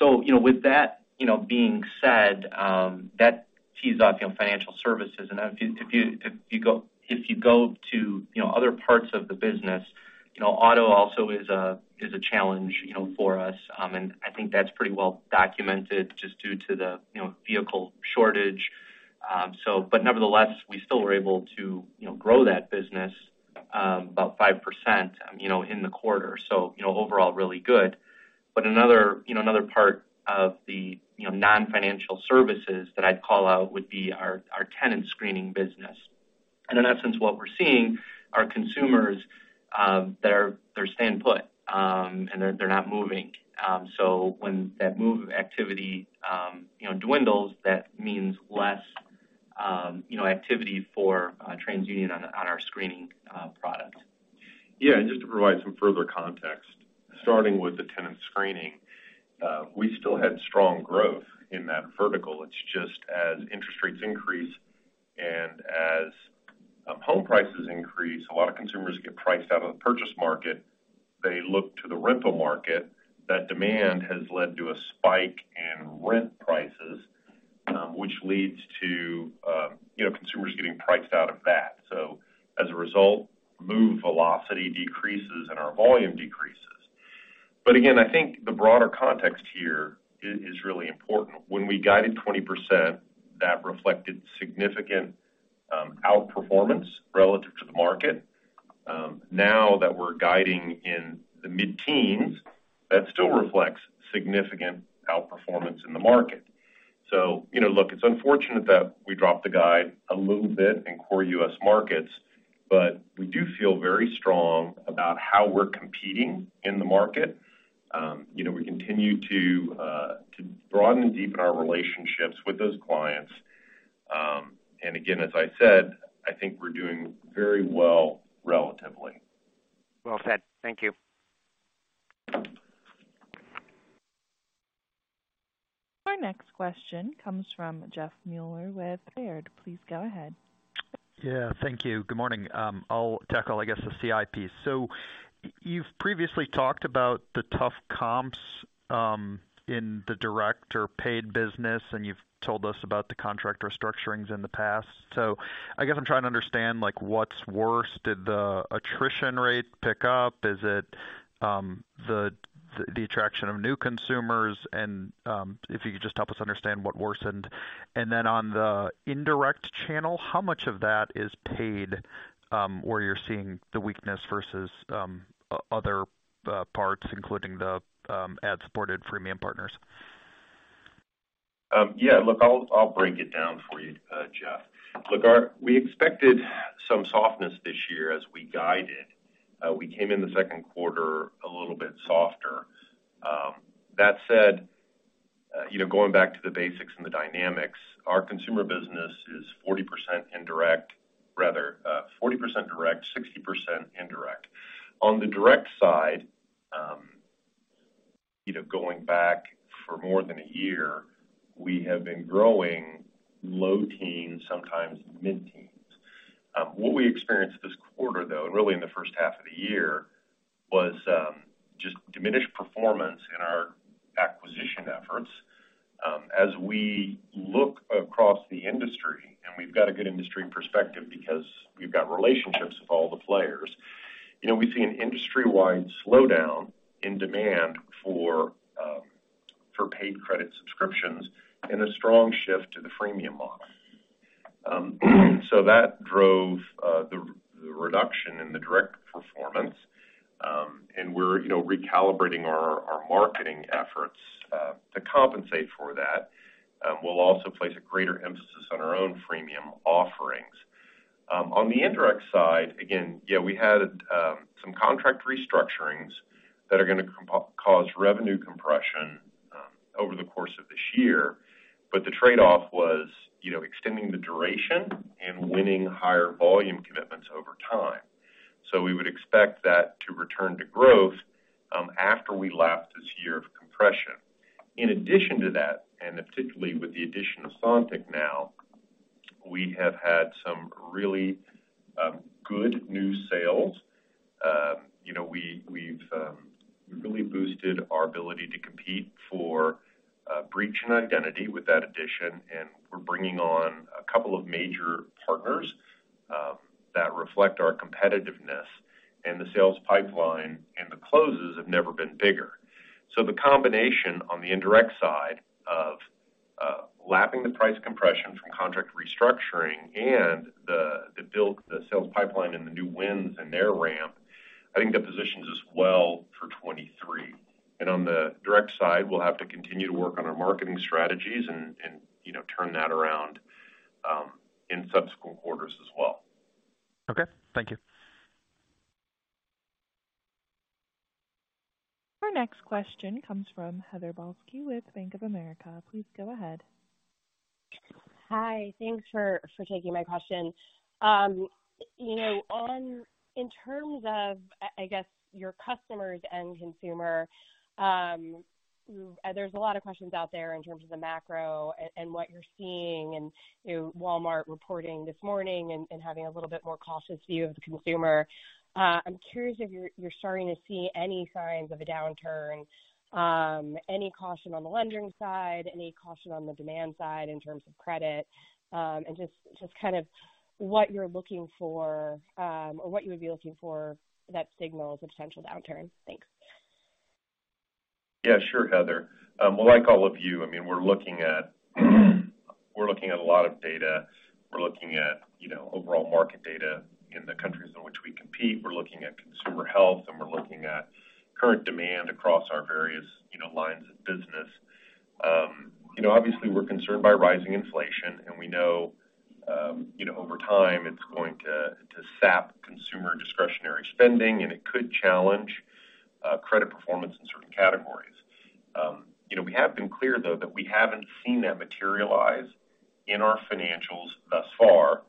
You know, with that, you know, being said, that tees off, you know, financial services. If you go to, you know, other parts of the business, you know, auto also is a challenge, you know, for us. I think that's pretty well documented just due to the, you know, vehicle shortage. Nevertheless, we still were able to, you know, grow that business about 5%, you know, in the quarter. You know, overall really good. You know, another part of the, you know, non-financial services that I'd call out would be our tenant screening business. In essence, what we're seeing are consumers, they're staying put, and they're not moving. When that move activity, you know, dwindles, that means less, you know, activity for TransUnion on our screening products. Yeah. Just to provide some further context, starting with the tenant screening, we still had strong growth in that vertical. It's just as interest rates increase, and as home prices increase, a lot of consumers get priced out of the purchase market. They look to the rental market. That demand has led to a spike in rent prices, which leads to, you know, consumers getting priced out of that. As a result, move velocity decreases and our volume decreases. Again, I think the broader context here is really important. When we guided 20%, that reflected significant outperformance relative to the market. Now that we're guiding in the mid-teens, that still reflects significant outperformance in the market. You know, look, it's unfortunate that we dropped the guide a little bit in core U.S. markets, but we do feel very strong about how we're competing in the market. You know, we continue to broaden and deepen our relationships with those clients. Again, as I said, I think we're doing very well relatively. Well said. Thank you. Our next question comes from Jeffrey Meuler with Baird. Please go ahead. Yeah. Thank you. Good morning. I'll tackle, I guess, the CI. You've previously talked about the tough comps in the direct or paid business, and you've told us about the contract restructurings in the past. I guess I'm trying to understand, like what's worse? Did the attrition rate pick up? Is it the attraction of new consumers? If you could just help us understand what worsened. On the indirect channel, how much of that is paid, where you're seeing the weakness versus the other parts, including the ad-supported freemium partners? Yeah. Look, I'll break it down for you, Jeff. Look, we expected some softness this year as we guided. We came in the second quarter a little bit softer. That said, you know, going back to the basics and the dynamics, our consumer business is 40% direct, 60% indirect. On the direct side, you know, going back for more than a year, we have been growing low teens, sometimes mid-teens. What we experienced this quarter though, and really in the first half of the year, was just diminished performance in our acquisition efforts. As we look across the industry, we've got a good industry perspective because we've got relationships with all the players, you know, we see an industry-wide slowdown in demand for paid credit subscriptions and a strong shift to the freemium model. That drove the reduction in the direct performance. We're, you know, recalibrating our marketing efforts to compensate for that. We'll also place a greater emphasis on our own freemium offerings. On the indirect side, again, yeah, we had some contract restructurings that are going to cause revenue compression over the course of this year, but the trade-off was, you know, extending the duration and winning higher volume commitments over time. We would expect that to return to growth after we lap this year of compression. In addition to that, particularly with the addition of Sontiq now, we have had some really good new sales. You know, we've really boosted our ability to compete for breach and identity with that addition, and we're bringing on a couple of major partners that reflect our competitiveness and the sales pipeline, and the closes have never been bigger. The combination on the indirect side of lapping the price compression from contract restructuring, and the sales pipeline and the new wins and their ramp, I think that positions us well for 2023. On the direct side, we'll have to continue to work on our marketing strategies, and you know, turn that around in subsequent quarters as well. Okay. Thank you. Our next question comes from Heather Balsky with Bank of America. Please go ahead. Hi. Thanks for taking my question. You know, in terms of, I guess your customers and consumer, there's a lot of questions out there in terms of the macro and what you're seeing and, you know, Walmart reporting this morning and having a little bit more cautious view of the consumer. I'm curious if you're starting to see any signs of a downturn, any caution on the lending side, any caution on the demand side in terms of credit, and just kind of what you're looking for or what you would be looking for that signals a potential downturn. Thanks. Yeah. Sure, Heather. Well, like all of you, I mean, we're looking at a lot of data. We're looking at, you know, overall market data in the countries in which we compete. We're looking at consumer health, and we're looking at current demand across our various, you know, lines of business. You know, obviously, we're concerned by rising inflation, and we know, you know, over time, it's going to sap consumer discretionary spending, and it could challenge credit performance in certain categories. You know, we have been clear though, that we haven't seen that materialize in our financials thus far,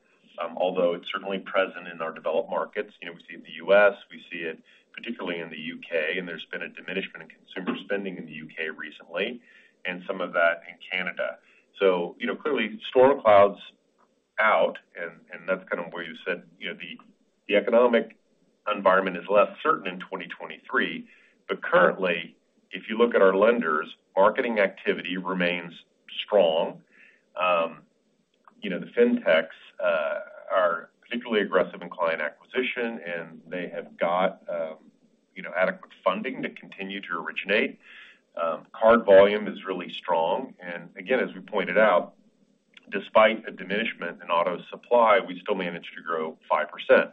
although it's certainly present in our developed markets. You know, we see it in the U.S., we see it particularly in the U.K., and there's been a diminishment in consumer spending in the U.K. recently and some of that in Canada. You know, clearly storm clouds out, and that's kind of where you said, you know, the economic environment is less certain in 2023. Currently, if you look at our lenders, marketing activity remains strong. You know, the fintechs are particularly aggressive in client acquisition, and they have got, you know, adequate funding to continue to originate. Card volume is really strong. Again, as we pointed out, despite a diminishment in auto supply, we still managed to grow 5%.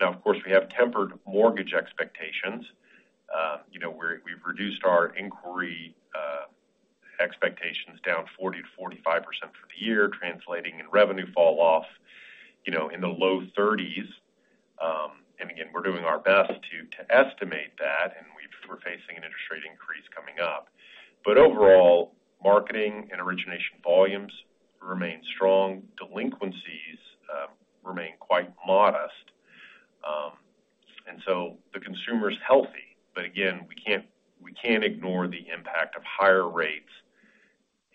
Now, of course, we have tempered mortgage expectations. You know, we've reduced our inquiry expectations down 40%-45% for the year, translating in revenue falloff, you know, in the low 30s. Again, we're doing our best to estimate that, and we're facing an interest rate increase coming up. Overall, marketing and origination volumes remain strong. Delinquencies remain quite modest. The consumer's healthy, but again, we can't ignore the impact of higher rates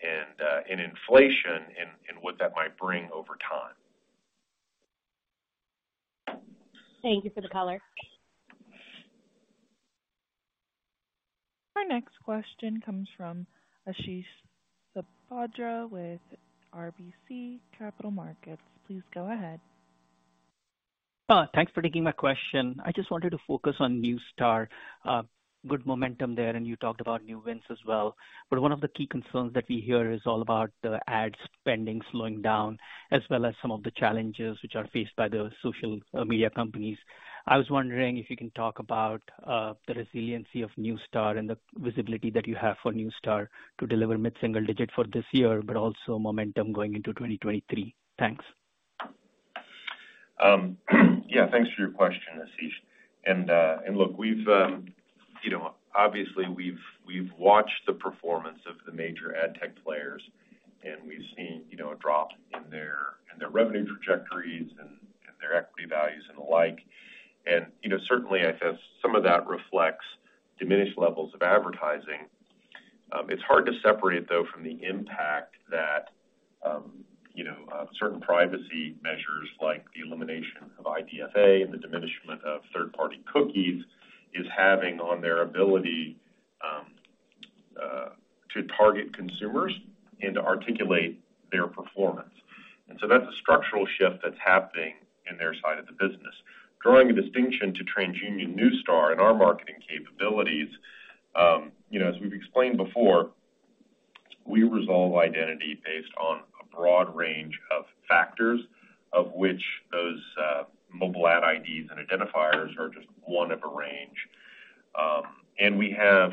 and inflation, and what that might bring over time. Thank you for the color. Our next question comes from Ashish Sabadra with RBC Capital Markets. Please go ahead. Thanks for taking my question. I just wanted to focus on Neustar. Good momentum there, and you talked about new wins as well. One of the key concerns that we hear is all about the ad spending slowing down, as well as some of the challenges, which are faced by the social media companies. I was wondering if you can talk about the resiliency of Neustar and the visibility that you have for Neustar to deliver mid-single digit for this year, but also momentum going into 2023. Thanks. Yeah, thanks for your question, Ashish. Look, you know, obviously we've watched the performance of the major ad tech players, and we've seen, you know, a drop in their revenue trajectories and their equity values, and the like. You know, certainly I think some of that reflects diminished levels of advertising. It's hard to separate though from the impact that you know, certain privacy measures like the elimination of IDFA, and the diminishment of third-party cookies is having on their ability to target consumers and to articulate their performance. That's a structural shift that's happening in their side of the business. Drawing a distinction to TransUnion, Neustar and our marketing capabilities, you know, as we've explained before, we resolve identity based on a broad range of factors, of which those mobile ad IDs and identifiers are just one of a range. We have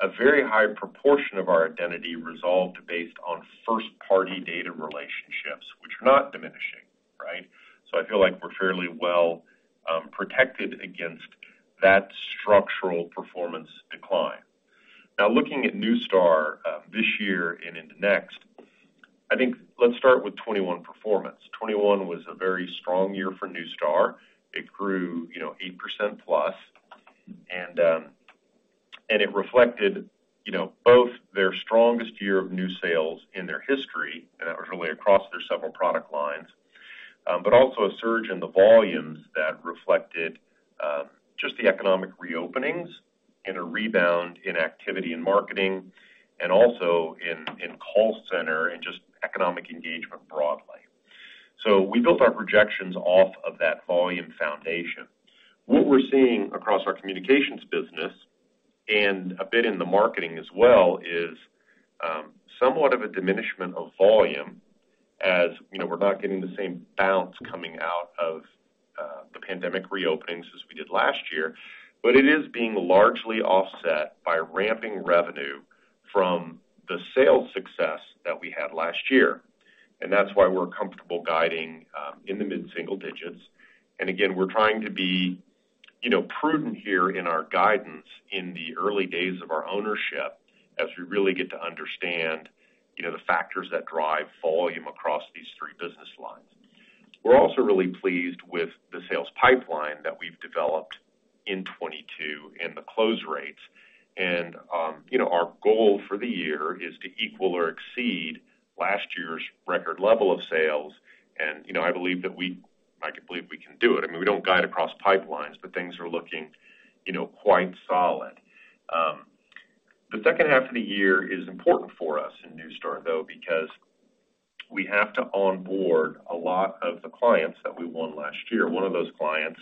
a very high proportion of our identity resolved based on first party data relationships, which are not diminishing, right? I feel like we're fairly well protected against that structural performance decline. Now looking at Neustar, this year and into next, I think let's start with 2021 performance. 2021 was a very strong year for Neustar. It grew, you know, 8%+. It reflected, you know, both their strongest year of new sales in their history, and that was really across their several product lines, but also a surge in the volumes that reflected just the economic re-openings and a rebound in activity in marketing, and also in call center and just economic engagement broadly. We built our projections off of that volume foundation. What we're seeing across our communications business, and a bit in the marketing as well, is somewhat of a diminishment of volume as, you know, we're not getting the same bounce coming out of the pandemic re-openings as we did last year. It is being largely offset by ramping revenue from the sales success that we had last year. That's why we're comfortable guiding in the mid-single digits. Again, we're trying to be, you know, prudent here in our guidance in the early days of our ownership, as we really get to understand, you know, the factors that drive volume across these three business lines. We're also really pleased with the sales pipeline that we've developed in 2022 and the close rates. You know, our goal for the year is to equal or exceed last year's record level of sales. You know, I believe we can do it. I mean, we don't guide across pipelines, but things are looking, you know, quite solid. The second half of the year is important for us in Neustar though, because we have to onboard a lot of the clients that we won last year. One of those clients,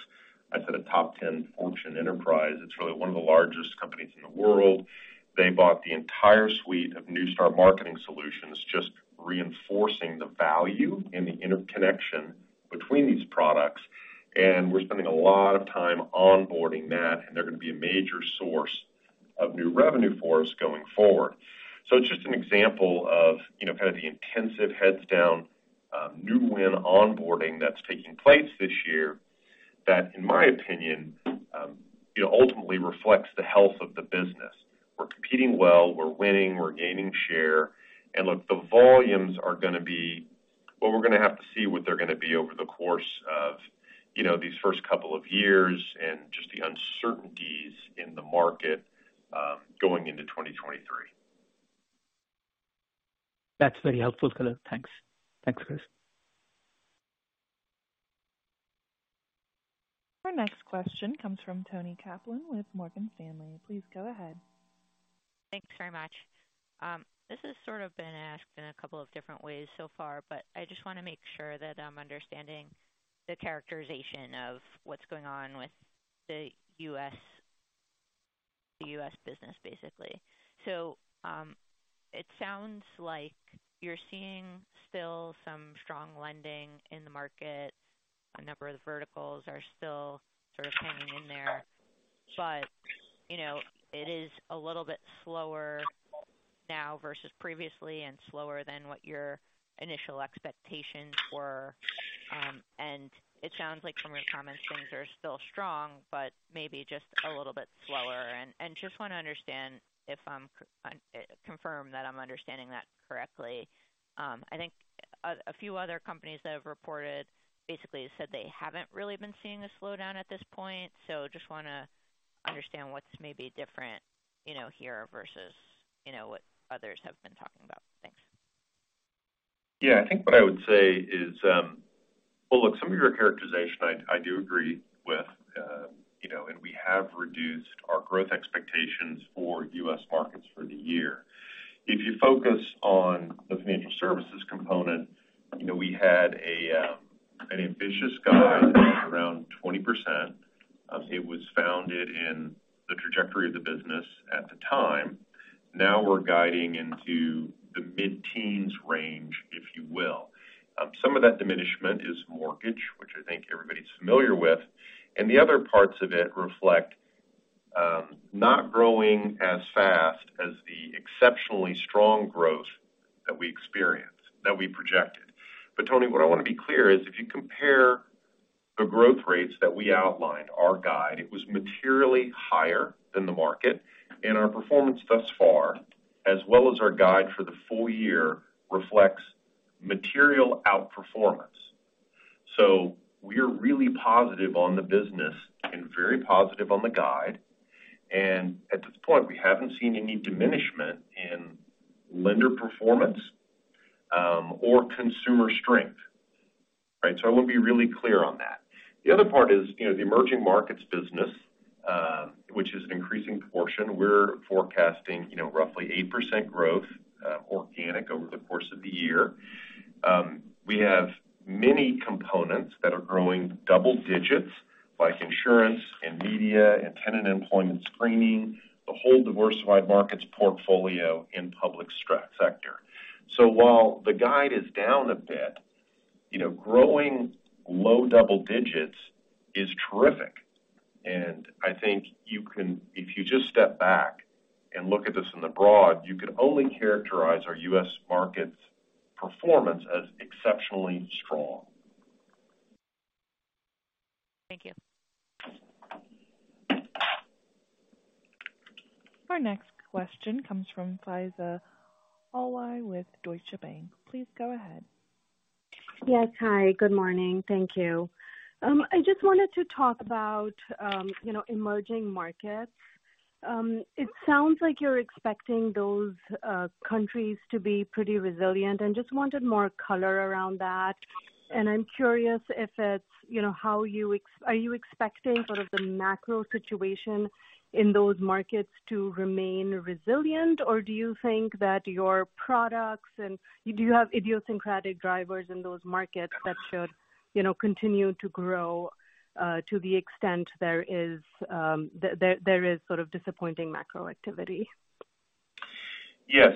I'd say the top 10 Fortune enterprise, it's really one of the largest companies in the world. They bought the entire suite of Neustar marketing solutions, just reinforcing the value and the interconnection between these products, and we're spending a lot of time onboarding that and they're going to be a major source of new revenue for us going forward. It's just an example of, you know, kind of the intensive heads down, new win onboarding that's taking place this year, that in my opinion, you know, ultimately reflects the health of the business. We're competing well, we're winning, we're gaining share. Look, the volumes are, we're going to have to see what they're going to be over the course of, you know, these first couple of years and just the uncertainties in the market, going into 2023. That's very helpful, Todd. Thanks. Thanks, Chris. Our next question comes from Toni Kaplan with Morgan Stanley. Please go ahead. Thanks very much. This has sort of been asked in a couple of different ways so far, but I just want to make sure that I'm understanding the characterization of what's going on with the U.S., business basically. It sounds like you're seeing still some strong lending in the market. A number of the verticals are still sort of hanging in there, but, you know, it is a little bit slower now versus previously and slower than what your initial expectations were. It sounds like from your comments, things are still strong, but maybe just a little bit slower. Just want to confirm that I'm understanding that correctly. I think a few other companies that have reported basically said, they haven't really been seeing a slowdown at this point. Just want to understand what's maybe different, you know, here versus, you know, what others have been talking about. Thanks. Yeah. I think what I would say is, well, look, some of your characterization, I do agree with. You know, we have reduced our growth expectations for U.S. markets for the year. If you focus on the financial services component, you know, we had an ambitious guide around 20%. It was grounded in the trajectory of the business at the time. Now we're guiding into the mid-teens range, if you will. Some of that diminishment is mortgage, which I think everybody's familiar with, and the other parts of it reflect not growing as fast as the exceptionally strong growth that we experienced, that we projected. Toni, what I want to be clear is, if you compare the growth rates that we outlined, our guide, it was materially higher than the market. Our performance thus far, as well as our guide for the full year, reflects material outperformance. We're really positive on the business and very positive on the guide. At this point, we haven't seen any diminishment in lender performance or consumer strength. Right? I want to be really clear on that. The other part is, you know, the emerging markets business, which is an increasing proportion. We're forecasting, you know, roughly 8% growth, organic over the course of the year. We have many components that are growing double digits, like insurance and media, and tenant employment screening, the whole diversified markets portfolio in public sector. While the guide is down a bit, you know, growing low double digits is terrific. I think if you just step back and look at this in the broad, you can only characterize our U.S. markets performance as exceptionally strong. Thank you. Our next question comes from Faiza Alwy with Deutsche Bank. Please go ahead. Yes. Hi, good morning. Thank you. I just wanted to talk about, you know, emerging markets. It sounds like you're expecting those countries to be pretty resilient, and just wanted more color around that. I'm curious, you know, are you expecting sort of the macro situation in those markets to remain resilient, or do you think that your products and do you have idiosyncratic drivers in those markets that should, you know, continue to grow to the extent there is sort of disappointing macro activity? Yeah.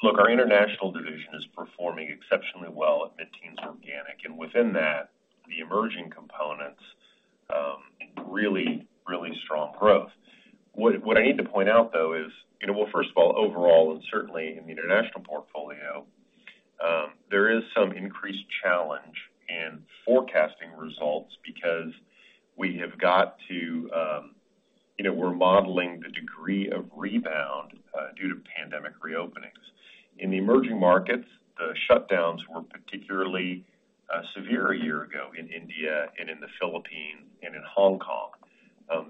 Look, our international division is performing exceptionally well at mid-teens organic, and within that, the emerging components, really strong growth. What I need to point out though is, you know, well, first of all, overall and certainly in the international portfolio, there is some increased challenge in forecasting results because, you know, we're modeling the degree of rebound due to pandemic re-openings. In the emerging markets, the shutdowns were particularly severe a year ago in India and in the Philippines, and in Hong Kong.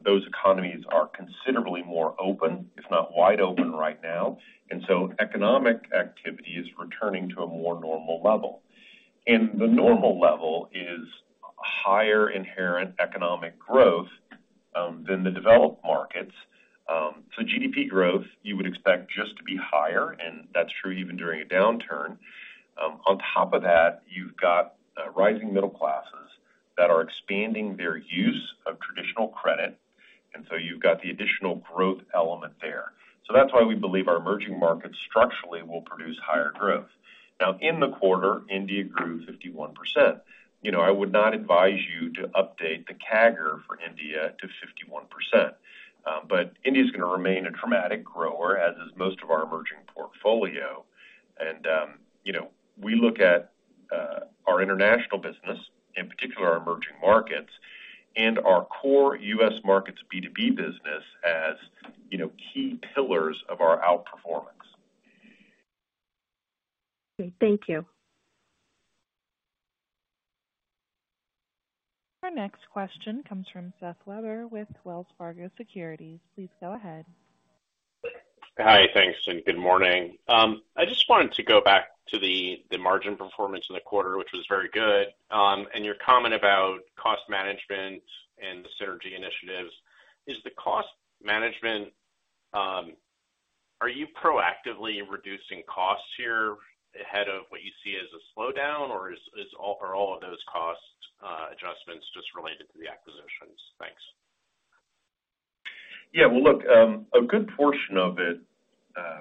Those economies are considerably more open, if not wide open right now, and so economic activity is returning to a more normal level. The normal level is higher inherent economic growth than the developed markets. GDP growth, you would expect just to be higher, and that's true even during a downturn. On top of that, you've got rising middle classes that are expanding their use of traditional credit, and so you've got the additional growth element there. That's why we believe our emerging markets structurally will produce higher growth. Now, in the quarter, India grew 51%. You know, I would not advise you to update the CAGR for India to 51%. India is going to remain a dramatic grower, as is most of our emerging portfolio. You know, we look at our international business, in particular our emerging markets and our core U.S. markets, B2B business as key pillars of our outperformance. Okay, thank you. Our next question comes from Seth Weber with Wells Fargo Securities. Please go ahead. Hi. Thanks, and good morning. I just wanted to go back to the margin performance in the quarter, which was very good, and your comment about cost management and the synergy initiatives. The cost management, are you proactively reducing costs here ahead of what you see as a slowdown, or are all of those cost adjustments just related to the acquisitions? Thanks. Yeah. Well, look, a good portion of it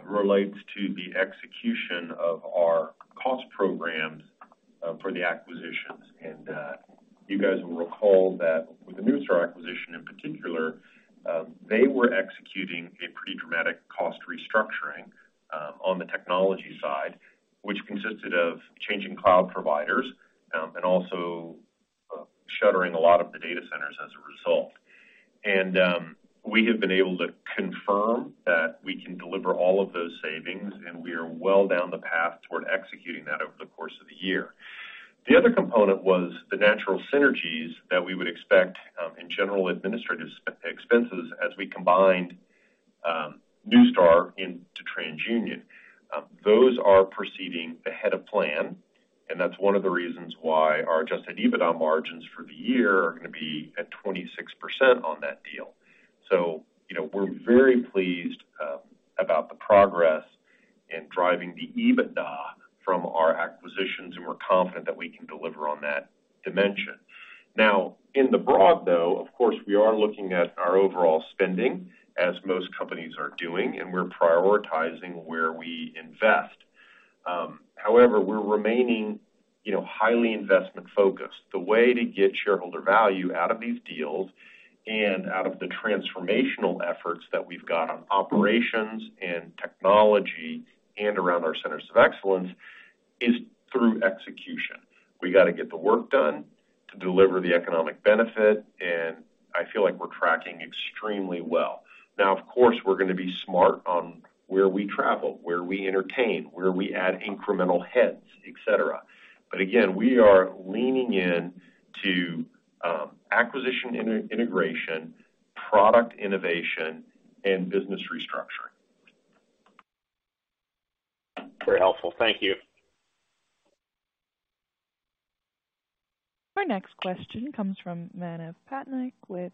relates to the execution of our cost programs for the acquisitions. You guys will recall that with the Neustar acquisition in particular, they were executing a pretty dramatic cost restructuring on the technology side, which consisted of changing cloud providers and also shuttering a lot of the data centers as a result. We have been able to confirm that we can deliver all of those savings, and we are well down the path toward executing that over the course of the year. The other component was the natural synergies that we would expect in general administrative expenses, as we combined Neustar into TransUnion. Those are proceeding ahead of plan, and that's one of the reasons why our adjusted EBITDA margins for the year are going to be at 26% on that deal. You know, we're very pleased about the progress in driving the EBITDA from our acquisitions, and we're confident that we can deliver on that dimension. Now, in the broad though, of course we are looking at our overall spending as most companies are doing and we're prioritizing where we invest. However, we're remaining, you know, highly investment-focused. The way to get shareholder value out of these deals and out of the transformational efforts that we've got on operations, and technology and around our centers of excellence is through execution. We got to get the work done to deliver the economic benefit, and I feel like we're tracking extremely well. Now, of course we're going to be smart on where we travel, where we entertain, where we add incremental heads, etc. Again, we are leaning in to acquisition integration, product innovation, and business restructuring. Very helpful. Thank you. Our next question comes from Manav Patnaik with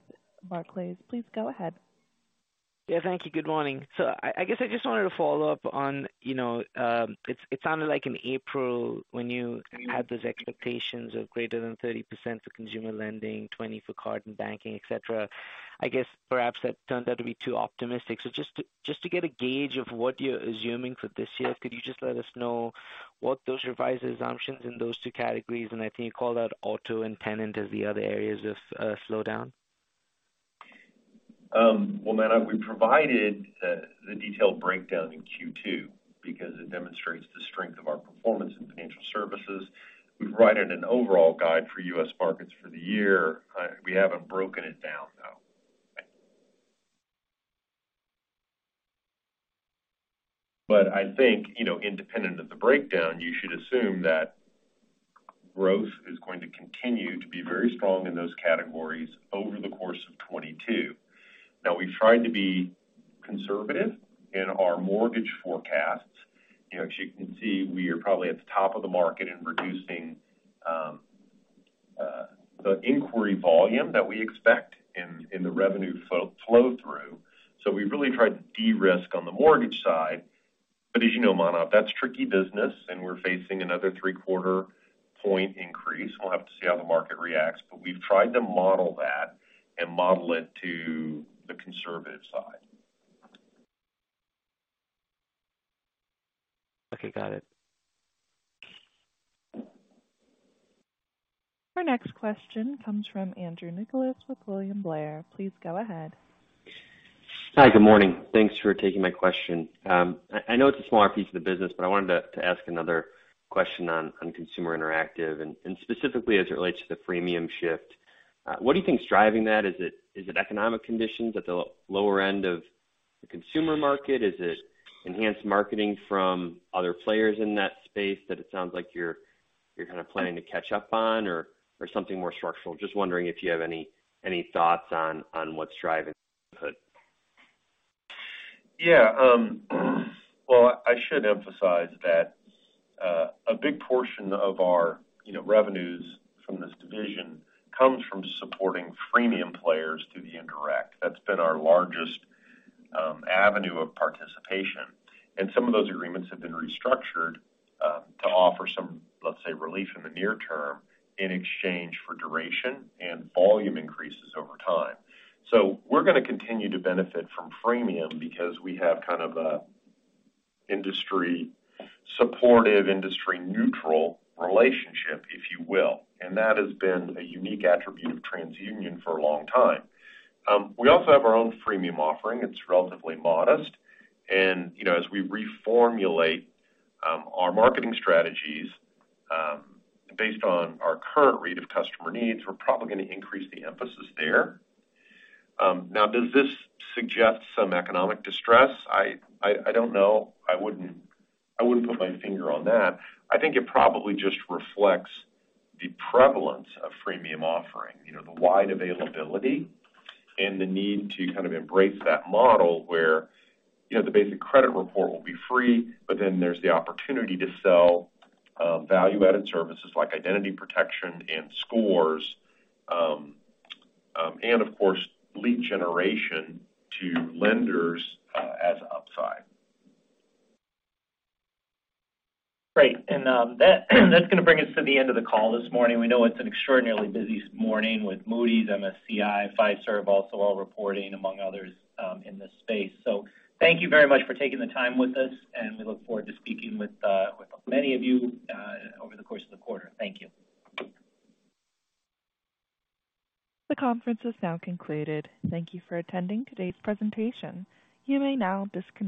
Barclays. Please go ahead. Yeah, thank you. Good morning. I guess I just wanted to follow up on, you know, it sounded like in April, when you had those expectations of greater than 30% for consumer lending, 20% for card and banking, etc., I guess perhaps that turned out to be too optimistic. Just to get a gauge of what you're assuming for this year, could you just let us know what those revised assumptions in those two categories and I think you called out auto, and tenant as the other areas of slowdown? Manav, we provided the detailed breakdown in Q2, because it demonstrates the strength of our performance in financial services. We provided an overall guide for U.S. markets for the year. We haven't broken it down though. I think, you know, independent of the breakdown, you should assume that growth is going to continue to be very strong in those categories over the course of 2022. Now, we've tried to be conservative in our mortgage forecasts. You know, as you can see, we are probably at the top of the market in reducing the inquiry volume that we expect in the revenue flow through. We've really tried to de-risk on the mortgage side. As you know, Manav, that's tricky business and we're facing another three-quarter point increase. We'll have to see how the market reacts, but we've tried to model that and model it to the conservative side. Okay, got it. Our next question comes from Andrew Nicholas with William Blair. Please go ahead. Hi, good morning. Thanks for taking my question. I know it's a smaller piece of the business, but I wanted to ask another question on Consumer Interactive and specifically as it relates to the freemium shift. What do you think is driving that? Is it economic conditions at the lower end of the consumer market? Is it enhanced marketing from other players in that space that it sounds like you're kind of planning to catch up on or something more structural? Just wondering if you have any thoughts on what's driving it. Yeah. Well, I should emphasize that a big portion of our, you know, revenues from this division comes from supporting freemium players through the indirect. That's been our largest avenue of participation. Some of those agreements have been restructured to offer some, let's say, relief in the near term in exchange for duration and volume increases over time. We're going to continue to benefit from freemium, because we have kind of a industry supportive, industry neutral relationship, if you will. That has been a unique attribute of TransUnion for a long time. We also have our own freemium offering. It's relatively modest. You know, as we reformulate our marketing strategies based on our current read of customer needs, we're probably going to increase the emphasis there. Now, does this suggest some economic distress? I don't know. I wouldn't put my finger on that. I think it probably just reflects the prevalence of freemium offering, you know, the wide availability and the need to kind of embrace that model where, you know, the basic credit report will be free, but then there's the opportunity to sell value-added services like identity protection and scores, and of course lead generation to lenders as upside. Great. That's going to bring us to the end of the call this morning. We know it's an extraordinarily busy morning with Moody's, MSCI, Fiserv also all reporting among others in this space. Thank you very much for taking the time with us, and we look forward to speaking with many of you over the course of the quarter. Thank you. The conference is now concluded. Thank you for attending today's presentation. You may now disconnect.